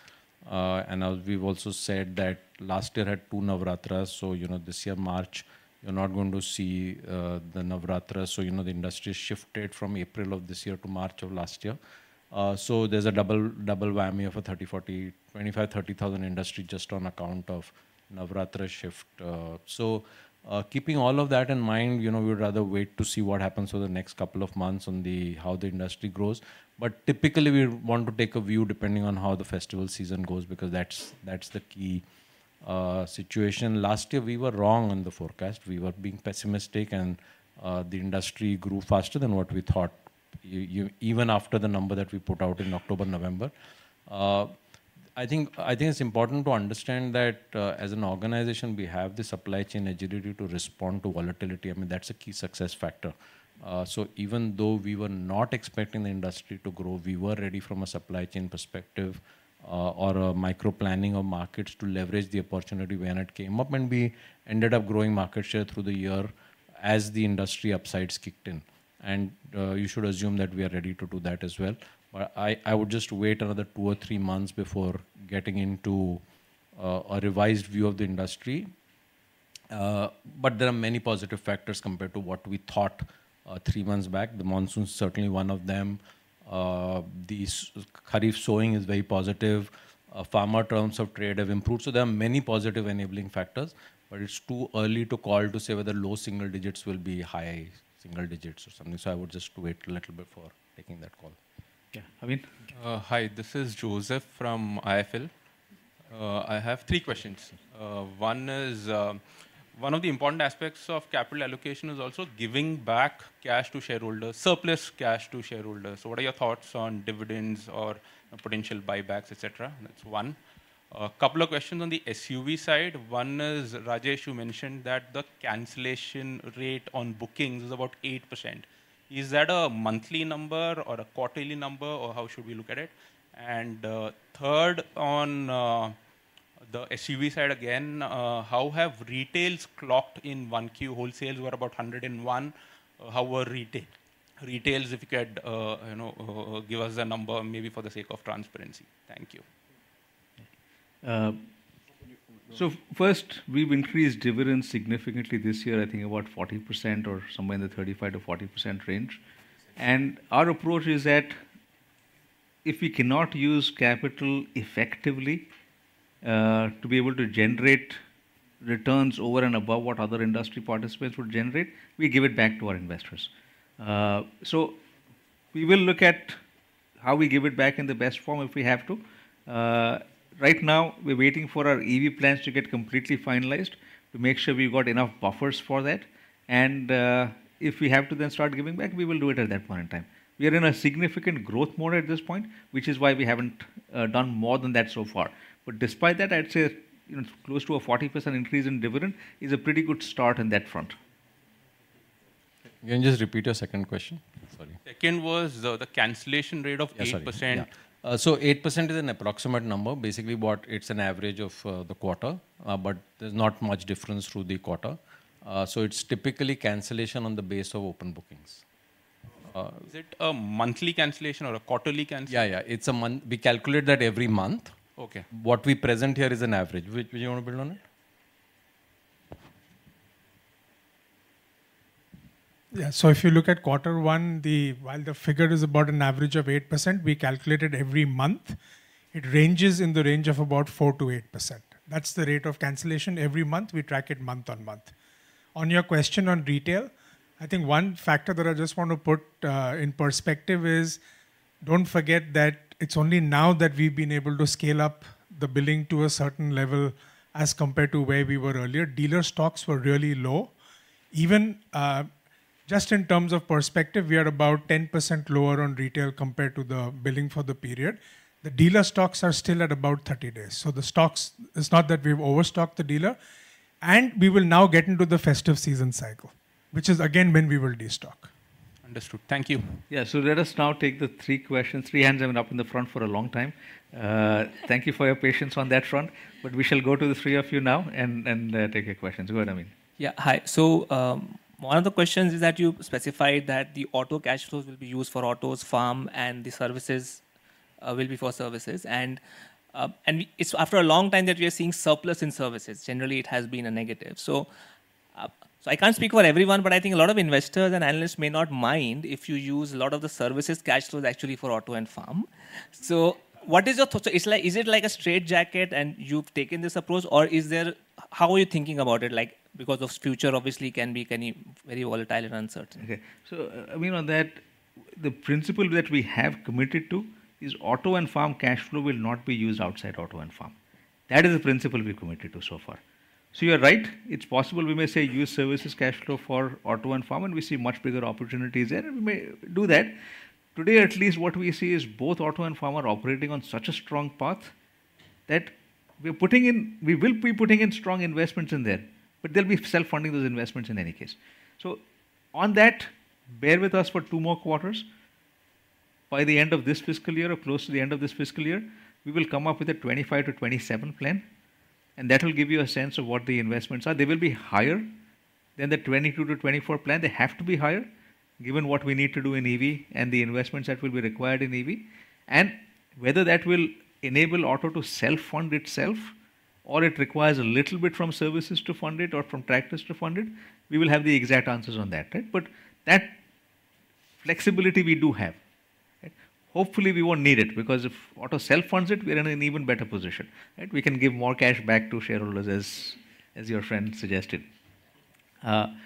As we've also said that last year had two Navaratras, so, you know, this year, March, you're not going to see, the Navaratra. You know, the industry shifted from April of this year to March of last year. There's a double, double whammy of a 30,000-40,000, 25,000-30,000 industry just on account of Navaratra shift. Keeping all of that in mind, you know, we'd rather wait to see what happens over the next couple of months on the... how the industry grows. Typically, we want to take a view depending on how the festival season goes, because that's, that's the key situation. Last year we were wrong on the forecast. We were being pessimistic, and the industry grew faster than what we thought, e-e-even after the number that we put out in October, November. I think, I think it's important to understand that as an organization, we have the supply chain agility to respond to volatility. I mean, that's a key success factor. Even though we were not expecting the industry to grow, we were ready from a supply chain perspective, or a micro planning of markets to leverage the opportunity when it came up, and we ended up growing market share through the year as the industry upsides kicked in. You should assume that we are ready to do that as well. I, I would just wait another two or three months before getting into a revised view of the industry. There are many positive factors compared to what we thought, three months back. The monsoon is certainly one of them. The kharif sowing is very positive. Farmer terms of trade have improved, so there are many positive enabling factors, but it's too early to call to say whether low single digits will be high single digits or something. I would just wait a little bit before making that call. Yeah. Amit? Hi, this is Joseph from IIFL. I have 3 questions. One is, one of the important aspects of capital allocation is also giving back cash to shareholders, surplus cash to shareholders. What are your thoughts on dividends or potential buybacks, et cetera? That's one. A couple of questions on the SUV side. One is, Rajesh, you mentioned that the cancellation rate on bookings is about 8%. Is that a monthly number or a quarterly number, or how should we look at it? Third, on the SUV side again, how have retails clocked in 1Q? Wholesales were about 101. How were retail? Retails, if you could, you know, give us a number maybe for the sake of transparency. Thank you. So first, we've increased dividends significantly this year, I think about 40% or somewhere in the 35%-40% range. Our approach is that, if we cannot use capital effectively, to be able to generate returns over and above what other industry participants would generate, we give it back to our investors. So we will look at how we give it back in the best form if we have to. Right now, we're waiting for our EV plans to get completely finalized to make sure we've got enough buffers for that, and if we have to then start giving back, we will do it at that point in time. We are in a significant growth mode at this point, which is why we haven't done more than that so far. Despite that, I'd say, you know, close to a 40% increase in dividend is a pretty good start on that front. Can you just repeat your second question? Sorry. Second was, the cancellation rate of 8%. Yeah, sorry. Yeah. 8% is an approximate number. It's an average of the quarter, but there's not much difference through the quarter. It's typically cancellation on the base of open bookings. Is it a monthly cancellation or a quarterly cancellation? Yeah, yeah, it's a month... We calculate that every month. Okay. What we present here is an average. Do you want to build on it? Yeah, if you look at Q1, the, while the figure is about an average of 8%, we calculate it every month. It ranges in the range of about 4%-8%. That's the rate of cancellation every month. We track it month on month. On your question on retail, I think one factor that I just want to put in perspective is, don't forget that it's only now that we've been able to scale up the billing to a certain level as compared to where we were earlier. Dealer stocks were really low. Even, just in terms of perspective, we are about 10% lower on retail compared to the billing for the period. The dealer stocks are still at about 30 days, the stocks, it's not that we've overstocked the dealer. We will now get into the festive season cycle, which is again, when we will destock. Understood. Thank you. Yeah. Let us now take the three questions. Three hands have been up in the front for a long time. Thank you for your patience on that front. We shall go to the three of you now and take your questions. Go ahead, Ameen. Yeah. Hi. One of the questions is that you specified that the Auto cash flows will be used for Auto, Farm, and the Services will be for Services. It's after a long time that we are seeing surplus in Services. Generally, it has been a negative. I can't speak for everyone, but I think a lot of investors and analysts may not mind if you use a lot of the Services cash flows actually for Auto and Farm. What is your thought? Is it like a straitjacket and you've taken this approach, or how are you thinking about it? Because the future obviously can be very volatile and uncertain. Okay. Ameen, on that, the principle that we have committed to is auto and farm cash flow will not be used outside auto and farm. That is the principle we committed to so far. You are right, it's possible we may say use services cash flow for auto and farm, and we see much bigger opportunities there, and we may do that. Today, at least, what we see is both auto and farm are operating on such a strong path that we will be putting in strong investments in there, but they'll be self-funding those investments in any case. On that, bear with us for two more quarters. By the end of this fiscal year or close to the end of this fiscal year, we will come up with a 2025-2027 plan, that will give you a sense of what the investments are. They will be higher than the 2022-2024 plan. They have to be higher, given what we need to do in EV and the investments that will be required in EV. Whether that will enable auto to self-fund itself, or it requires a little bit from services to fund it or from tractors to fund it, we will have the exact answers on that, right? That flexibility we do have, right? Hopefully, we won't need it, because if auto self-funds it, we are in an even better position, right? We can give more cash back to shareholders, as your friend suggested. On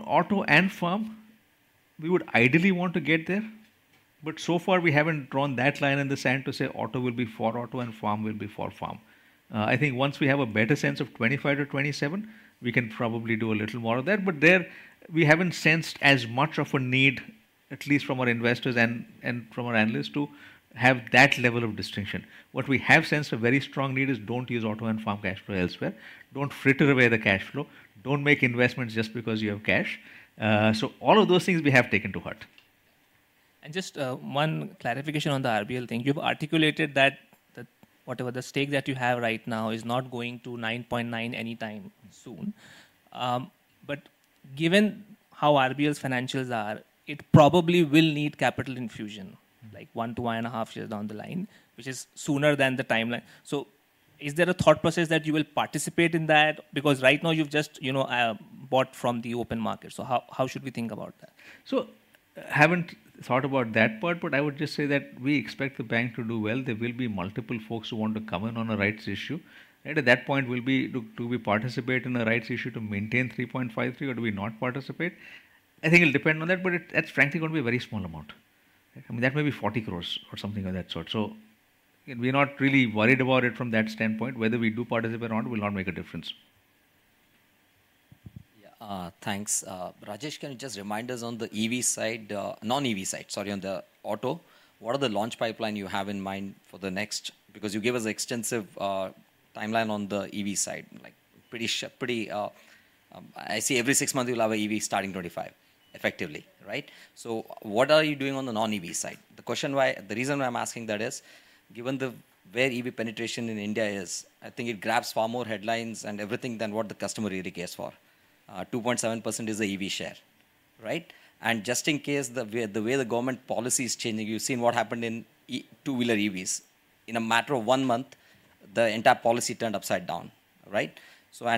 auto and farm, we would ideally want to get there, but so far we haven't drawn that line in the sand to say auto will be for auto and farm will be for farm. I think once we have a better sense of 2025-2027, we can probably do a little more of that. There, we haven't sensed as much of a need, at least from our investors and from our analysts, to have that level of distinction. What we have sensed a very strong need is don't use auto and farm cash flow elsewhere. Don't fritter away the cash flow. Don't make investments just because you have cash. All of those things we have taken to heart. Just, one clarification on the RBL thing. You've articulated that, that whatever the stake that you have right now is not going to 9.9% anytime soon. Given how RBL's financials are, it probably will need capital infusion, like one to 1.5 years down the line, which is sooner than the timeline. Is there a thought process that you will participate in that? Because right now you've just, you know, bought from the open market. How, how should we think about that? Haven't thought about that part, but I would just say that we expect the bank to do well. There will be multiple folks who want to come in on a rights issue. At that point, we'll be. Do we participate in a rights issue to maintain 3.53%, or do we not participate? I think it'll depend on that. That's frankly going to be a very small amount. I mean, that may be 40 crore or something of that sort. We're not really worried about it from that standpoint. Whether we do participate or not will not make a difference. Yeah, thanks. Rajesh, can you just remind us on the EV side, non-EV side, sorry, on the auto, what are the launch pipeline you have in mind for the next? Because you gave us extensive timeline on the EV side, like pretty pretty, I see every six months you'll have a EV starting 25%, effectively, right? What are you doing on the non-EV side? The question why-- the reason why I'm asking that is, given the, where EV penetration in India is, I think it grabs far more headlines and everything than what the customer really cares for. 2.7% is the EV share, right? Just in case, the way, the way the government policy is changing, you've seen what happened in e- two-wheeler EVs. In a matter of 1 month, the entire policy turned upside down, right?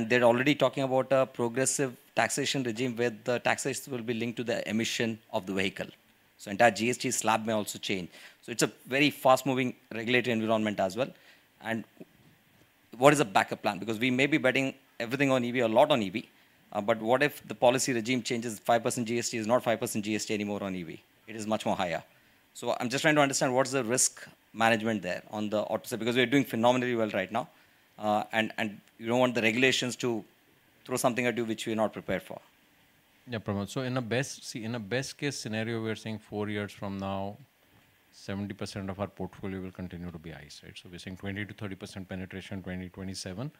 They're already talking about a progressive taxation regime where the taxes will be linked to the emission of the vehicle. Entire GST slab may also change. It's a very fast-moving regulatory environment as well. What is the backup plan? Because we may be betting everything on EV, a lot on EV, but what if the policy regime changes, 5% GST is not 5% GST anymore on EV, it is much more higher. I'm just trying to understand, what is the risk management there on the auto side? Because we're doing phenomenally well right now, and we don't want the regulations to throw something at you which we're not prepared for. Yeah, Pramod. In a best case scenario, we are saying four years from now, 70% of our portfolio will continue to be ICE, right? We're saying 20%-30% penetration in 2027,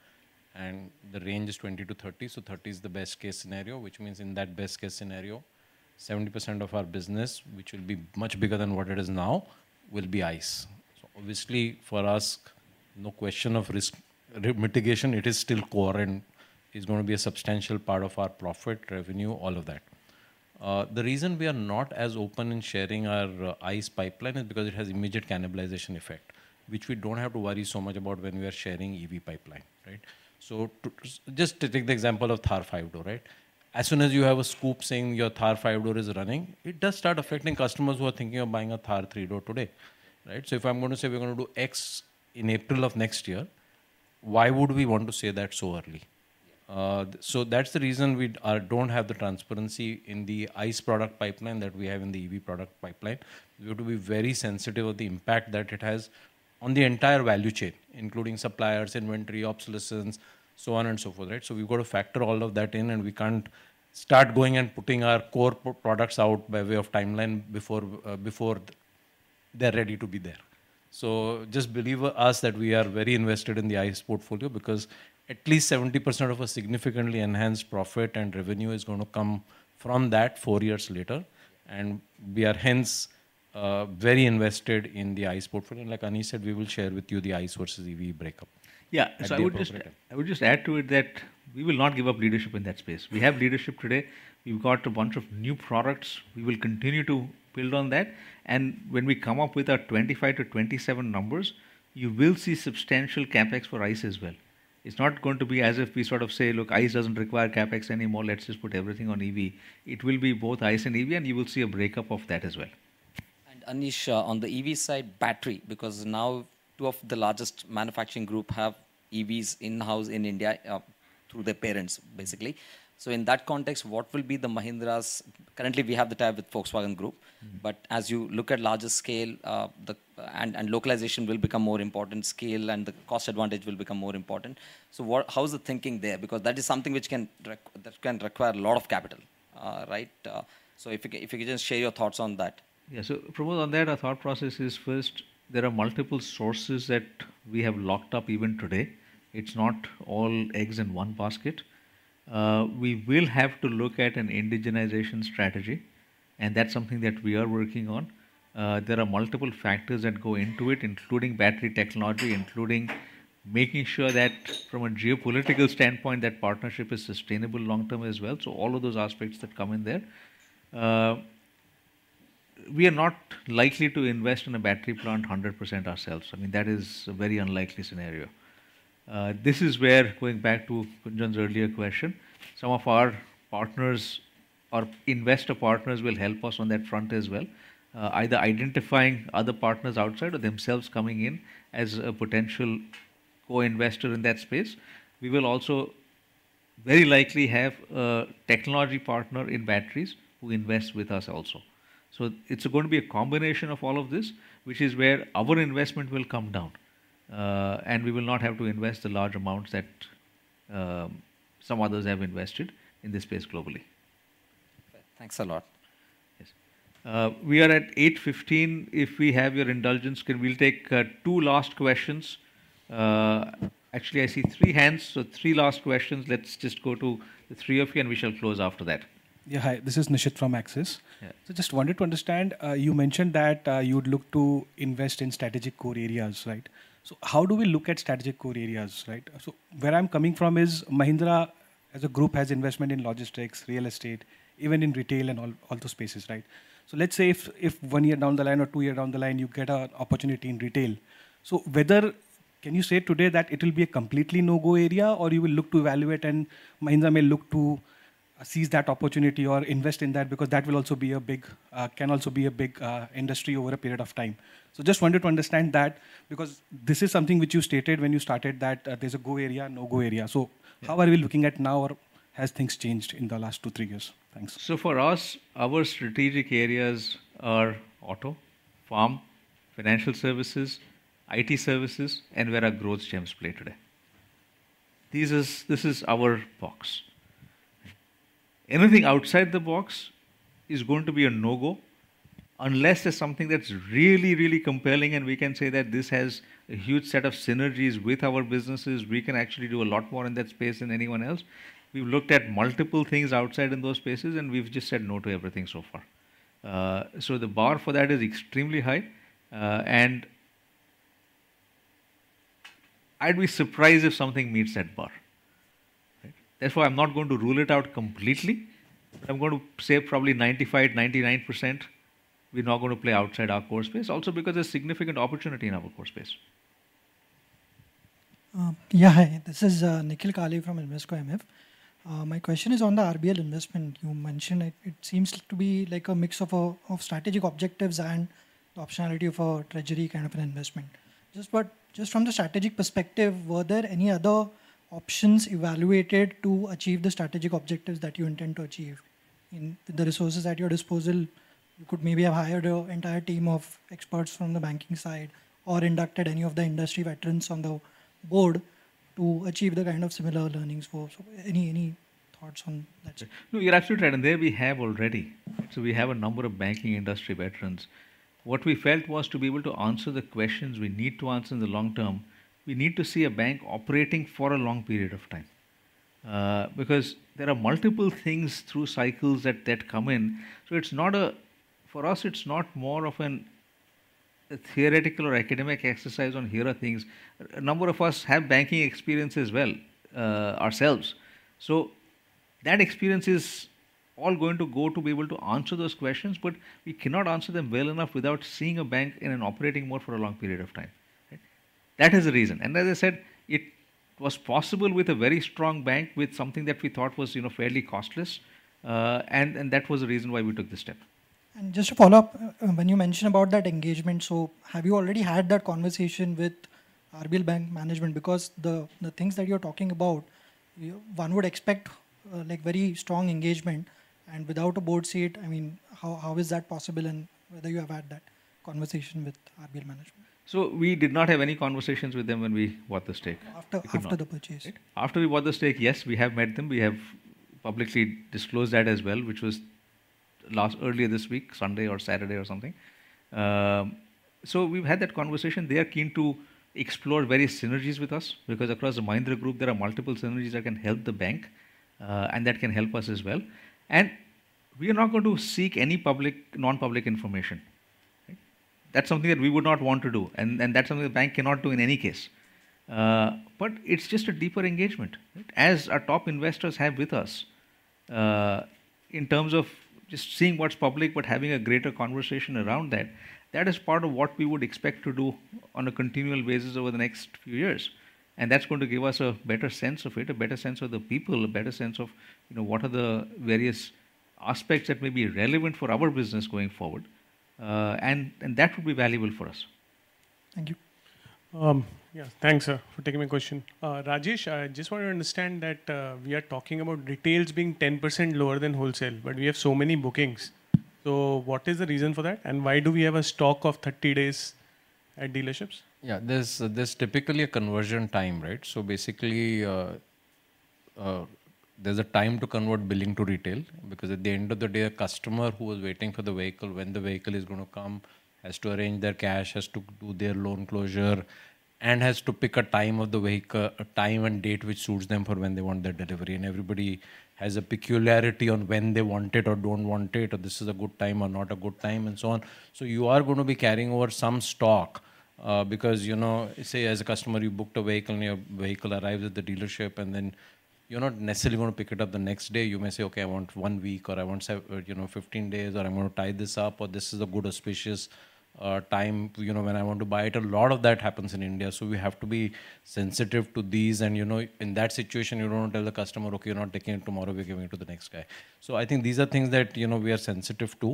and the range is 20%-30%. 30% is the best case scenario, which means in that best case scenario, 70% of our business, which will be much bigger than what it is now, will be ICE. Obviously, for us, no question of risk mitigation, it is still core and it's going to be a substantial part of our profit, revenue, all of that. The reason we are not as open in sharing our ICE pipeline is because it has immediate cannibalization effect, which we don't have to worry so much about when we are sharing EV pipeline, right? Just to take the example of Thar 5-door, right? As soon as you have a scoop saying your Thar 5-door is running, it does start affecting customers who are thinking of buying a Thar 3-door today, right? If I'm going to say we're going to do X in April of next year, why would we want to say that so early? That's the reason we don't have the transparency in the ICE product pipeline that we have in the EV product pipeline. We've got to be very sensitive of the impact that it has on the entire value chain, including suppliers, inventory, obsolescence, so on and so forth, right? We've got to factor all of that in, and we can't start going and putting our core products out by way of timeline before they're ready to be there. Just believe us that we are very invested in the ICE portfolio, because at least 70% of a significantly enhanced profit and revenue is going to come from that four years later. We are hence, very invested in the ICE portfolio. Like Anish said, we will share with you the ICE versus EV breakup. Yeah. At the appropriate time. I would just add to it that we will not give up leadership in that space. We have leadership today, we've got a bunch of new products, we will continue to build on that. When we come up with our 2025-2027 numbers, you will see substantial CapEx for ICE as well. It's not going to be as if we sort of say: Look, ICE doesn't require CapEx anymore, let's just put everything on EV. It will be both ICE and EV. You will see a breakup of that as well. Anish, on the EV side battery, because now two of the largest manufacturing group have EVs in-house in India, through their parents, basically. In that context, what will be the Mahindra's? Currently, we have the tie-up with Volkswagen Group. Mm-hmm. As you look at larger scale, and localization will become more important, scale and the cost advantage will become more important. How is the thinking there? Because that is something which can require a lot of capital, right? If you can, if you could just share your thoughts on that. Yeah. Prabhu, on that, our thought process is, first, there are multiple sources that we have locked up even today. It's not all eggs in one basket. We will have to look at an indigenization strategy, and that's something that we are working on. There are multiple factors that go into it, including battery technology, including making sure that from a geopolitical standpoint, that partnership is sustainable long-term as well. All of those aspects that come in there. We are not likely to invest in a battery plant 100% ourselves. I mean, that is a very unlikely scenario. This is where, going back to Kunjan's earlier question, some of our partners or investor partners will help us on that front as well. Either identifying other partners outside or themselves coming in as a potential co-investor in that space. We will also very likely have a technology partner in batteries who invest with us also. It's going to be a combination of all of this, which is where our investment will come down, and we will not have to invest the large amounts that some others have invested in this space globally. Thanks a lot. Yes. We are at 8:15. If we have your indulgence, can we'll take two last questions. Actually, I see three hands, so three last questions. Let's just go to the three of you, and we shall close after that. Yeah. Hi, this is Nishit from Axis. Yeah. Just wanted to understand, you mentioned that you would look to invest in strategic core areas, right? How do we look at strategic core areas, right? Where I'm coming from is Mahindra, as a group, has investment in logistics, real estate, even in retail and all, all those spaces, right? Let's say if, if one year down the line or two year down the line, you get an opportunity in retail. Can you say today that it will be a completely no-go area, or you will look to evaluate and Mahindra may look to seize that opportunity or invest in that? Because that will also be a big, can also be a big industry over a period of time. Just wanted to understand that, because this is something which you stated when you started, that, there's a go area, a no-go area. Yeah. How are we looking at now, or has things changed in the last two, three years? Thanks. For us, our strategic areas are auto, farm, financial services, IT services, and where our growth gems play today. This is, this is our box. Anything outside the box is going to be a no-go, unless it's something that's really, really compelling and we can say that this has a huge set of synergies with our businesses, we can actually do a lot more in that space than anyone else. We've looked at multiple things outside in those spaces, and we've just said no to everything so far. The bar for that is extremely high, and I'd be surprised if something meets that bar, right? Therefore, I'm not going to rule it out completely. I'm going to say probably 95%, 99%, we're not going to play outside our core space. Also, because there's significant opportunity in our core space. Yeah. Hi, this is Nikhil Kale from Invesco MF. My question is on the RBL investment you mentioned. It, it seems to be like a mix of strategic objectives and the optionality of a treasury kind of an investment. Just from the strategic perspective, were there any other options evaluated to achieve the strategic objectives that you intend to achieve? In the resources at your disposal, you could maybe have hired an entire team of experts from the banking side or inducted any of the industry veterans on the board to achieve the kind of similar learnings for. Any, any thoughts on that sir? No, you're absolutely right, and there we have already. We have a number of banking industry veterans. What we felt was to be able to answer the questions we need to answer in the long term, we need to see a bank operating for a long period of time. Because there are multiple things through cycles that, that come in, so it's not for us, it's not more of a theoretical or academic exercise on here are things. A number of us have banking experience as well, ourselves. That experience is all going to go to be able to answer those questions, but we cannot answer them well enough without seeing a bank in an operating mode for a long period of time. Right? That is the reason. As I said, it was possible with a very strong bank, with something that we thought was, you know, fairly costless. That was the reason why we took this step. Just to follow up, when you mention about that engagement, so have you already had that conversation with RBL Bank management? The, the things that you're talking about, one would expect, like, very strong engagement, and without a board seat, I mean, how, how is that possible, and whether you have had that conversation with RBL management? We did not have any conversations with them when we bought the stake. After the purchase. After we bought the stake, yes, we have met them. We have publicly disclosed that as well, which was earlier this week, Sunday or Saturday or something. We've had that conversation. They are keen to explore various synergies with us, because across the Mahindra Group, there are multiple synergies that can help the bank, and that can help us as well. We are not going to seek any public, non-public information. Right? That's something that we would not want to do, and that's something the bank cannot do in any case. It's just a deeper engagement, right? As our top investors have with us, in terms of just seeing what's public, but having a greater conversation around that. That is part of what we would expect to do on a continual basis over the next few years. That's going to give us a better sense of it, a better sense of the people, a better sense of, you know, what are the various aspects that may be relevant for our business going forward, and, and that would be valuable for us. Thank you. Yeah, thanks, sir, for taking my question. Rajesh, I just want to understand that we are talking about retails being 10% lower than wholesale, but we have so many bookings. What is the reason for that, and why do we have a stock of 30 days at dealerships? Yeah, there's, there's typically a conversion time, right? Basically, there's a time to convert billing to retail, because at the end of the day, a customer who is waiting for the vehicle, when the vehicle is gonna come, has to arrange their cash, has to do their loan closure, and has to pick a time of the vehicle, a time and date which suits them for when they want their delivery. Everybody has a peculiarity on when they want it or don't want it, or this is a good time or not a good time, and so on. You are gonna be carrying over some stock, because, you know, say, as a customer, you booked a vehicle, and your vehicle arrives at the dealership, and then you're not necessarily gonna pick it up the next day. You may say, "Okay, I want one week," or, "I want seven..." you know, "15 days," or, "I'm gonna tie this up," or, "This is a good, auspicious time, you know, when I want to buy it." A lot of that happens in India, so we have to be sensitive to these. You know, in that situation, you don't tell the customer, "Okay, you're not taking it tomorrow. We're giving it to the next guy." I think these are things that, you know, we are sensitive to.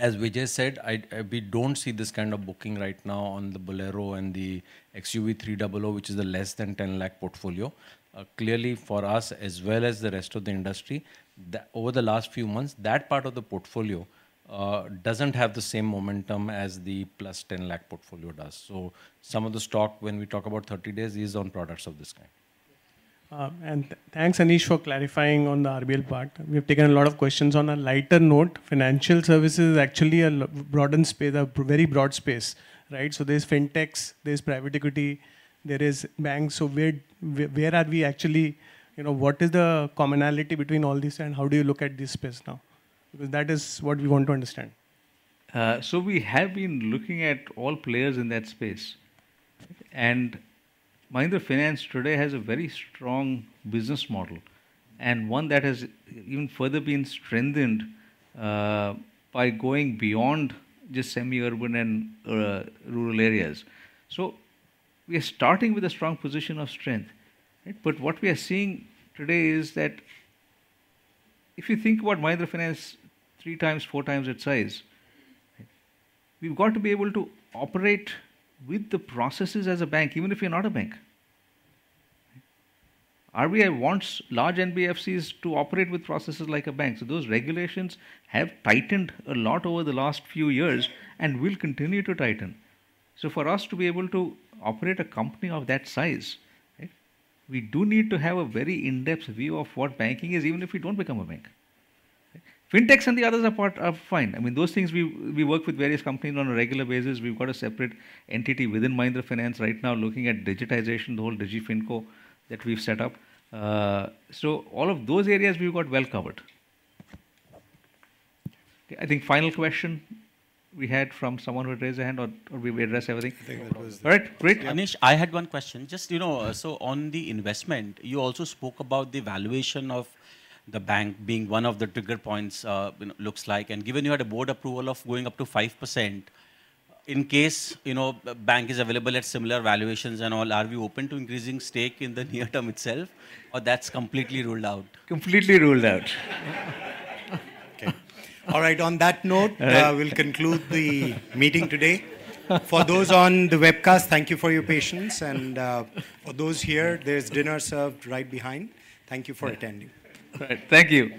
As we just said, I, we don't see this kind of booking right now on the Bolero and the XUV300, which is a less than 10 lakh portfolio. Clearly, for us, as well as the rest of the industry, over the last few months, that part of the portfolio, doesn't have the same momentum as the +10 lakh portfolio does. Some of the stock, when we talk about 30 days, is on products of this kind. Thanks, Anish, for clarifying on the RBL part. We've taken a lot of questions. On a lighter note, financial services is actually a very broad space, right? There's Fintechs, there's private equity, there is banks. Where, where are we actually... You know, what is the commonality between all these, and how do you look at this space now? That is what we want to understand. We have been looking at all players in that space. Mahindra Finance today has a very strong business model, and one that has even further been strengthened by going beyond just semi-urban and rural areas. We are starting with a strong position of strength, right? What we are seeing today is that if you think about Mahindra Finance, three times, four times its size, right? We've got to be able to operate with the processes as a bank, even if you're not a bank. RBI wants large NBFCs to operate with processes like a bank, those regulations have tightened a lot over the last few years and will continue to tighten. For us to be able to operate a company of that size, right, we do need to have a very in-depth view of what banking is, even if we don't become a bank. Fintechs and the others are fine. I mean, those things we, we work with various companies on a regular basis. We've got a separate entity within Mahindra Finance right now looking at digitization, the whole DigiFinCorp that we've set up. All of those areas we've got well covered. I think final question we had from someone who raised their hand, or we may address everything. I think. All right, great. Anish, I had one question. Just, you know, on the investment, you also spoke about the valuation of the bank being one of the trigger points, looks like. Given you had a board approval of going up to 5%, in case, you know, a bank is available at similar valuations and all, are we open to increasing stake in the near term itself, or that's completely ruled out? Completely ruled out. Okay. All right, on that note, we'll conclude the meeting today. For those on the webcast, thank you for your patience, and for those here, there's dinner served right behind. Thank you for attending. Right. Thank you.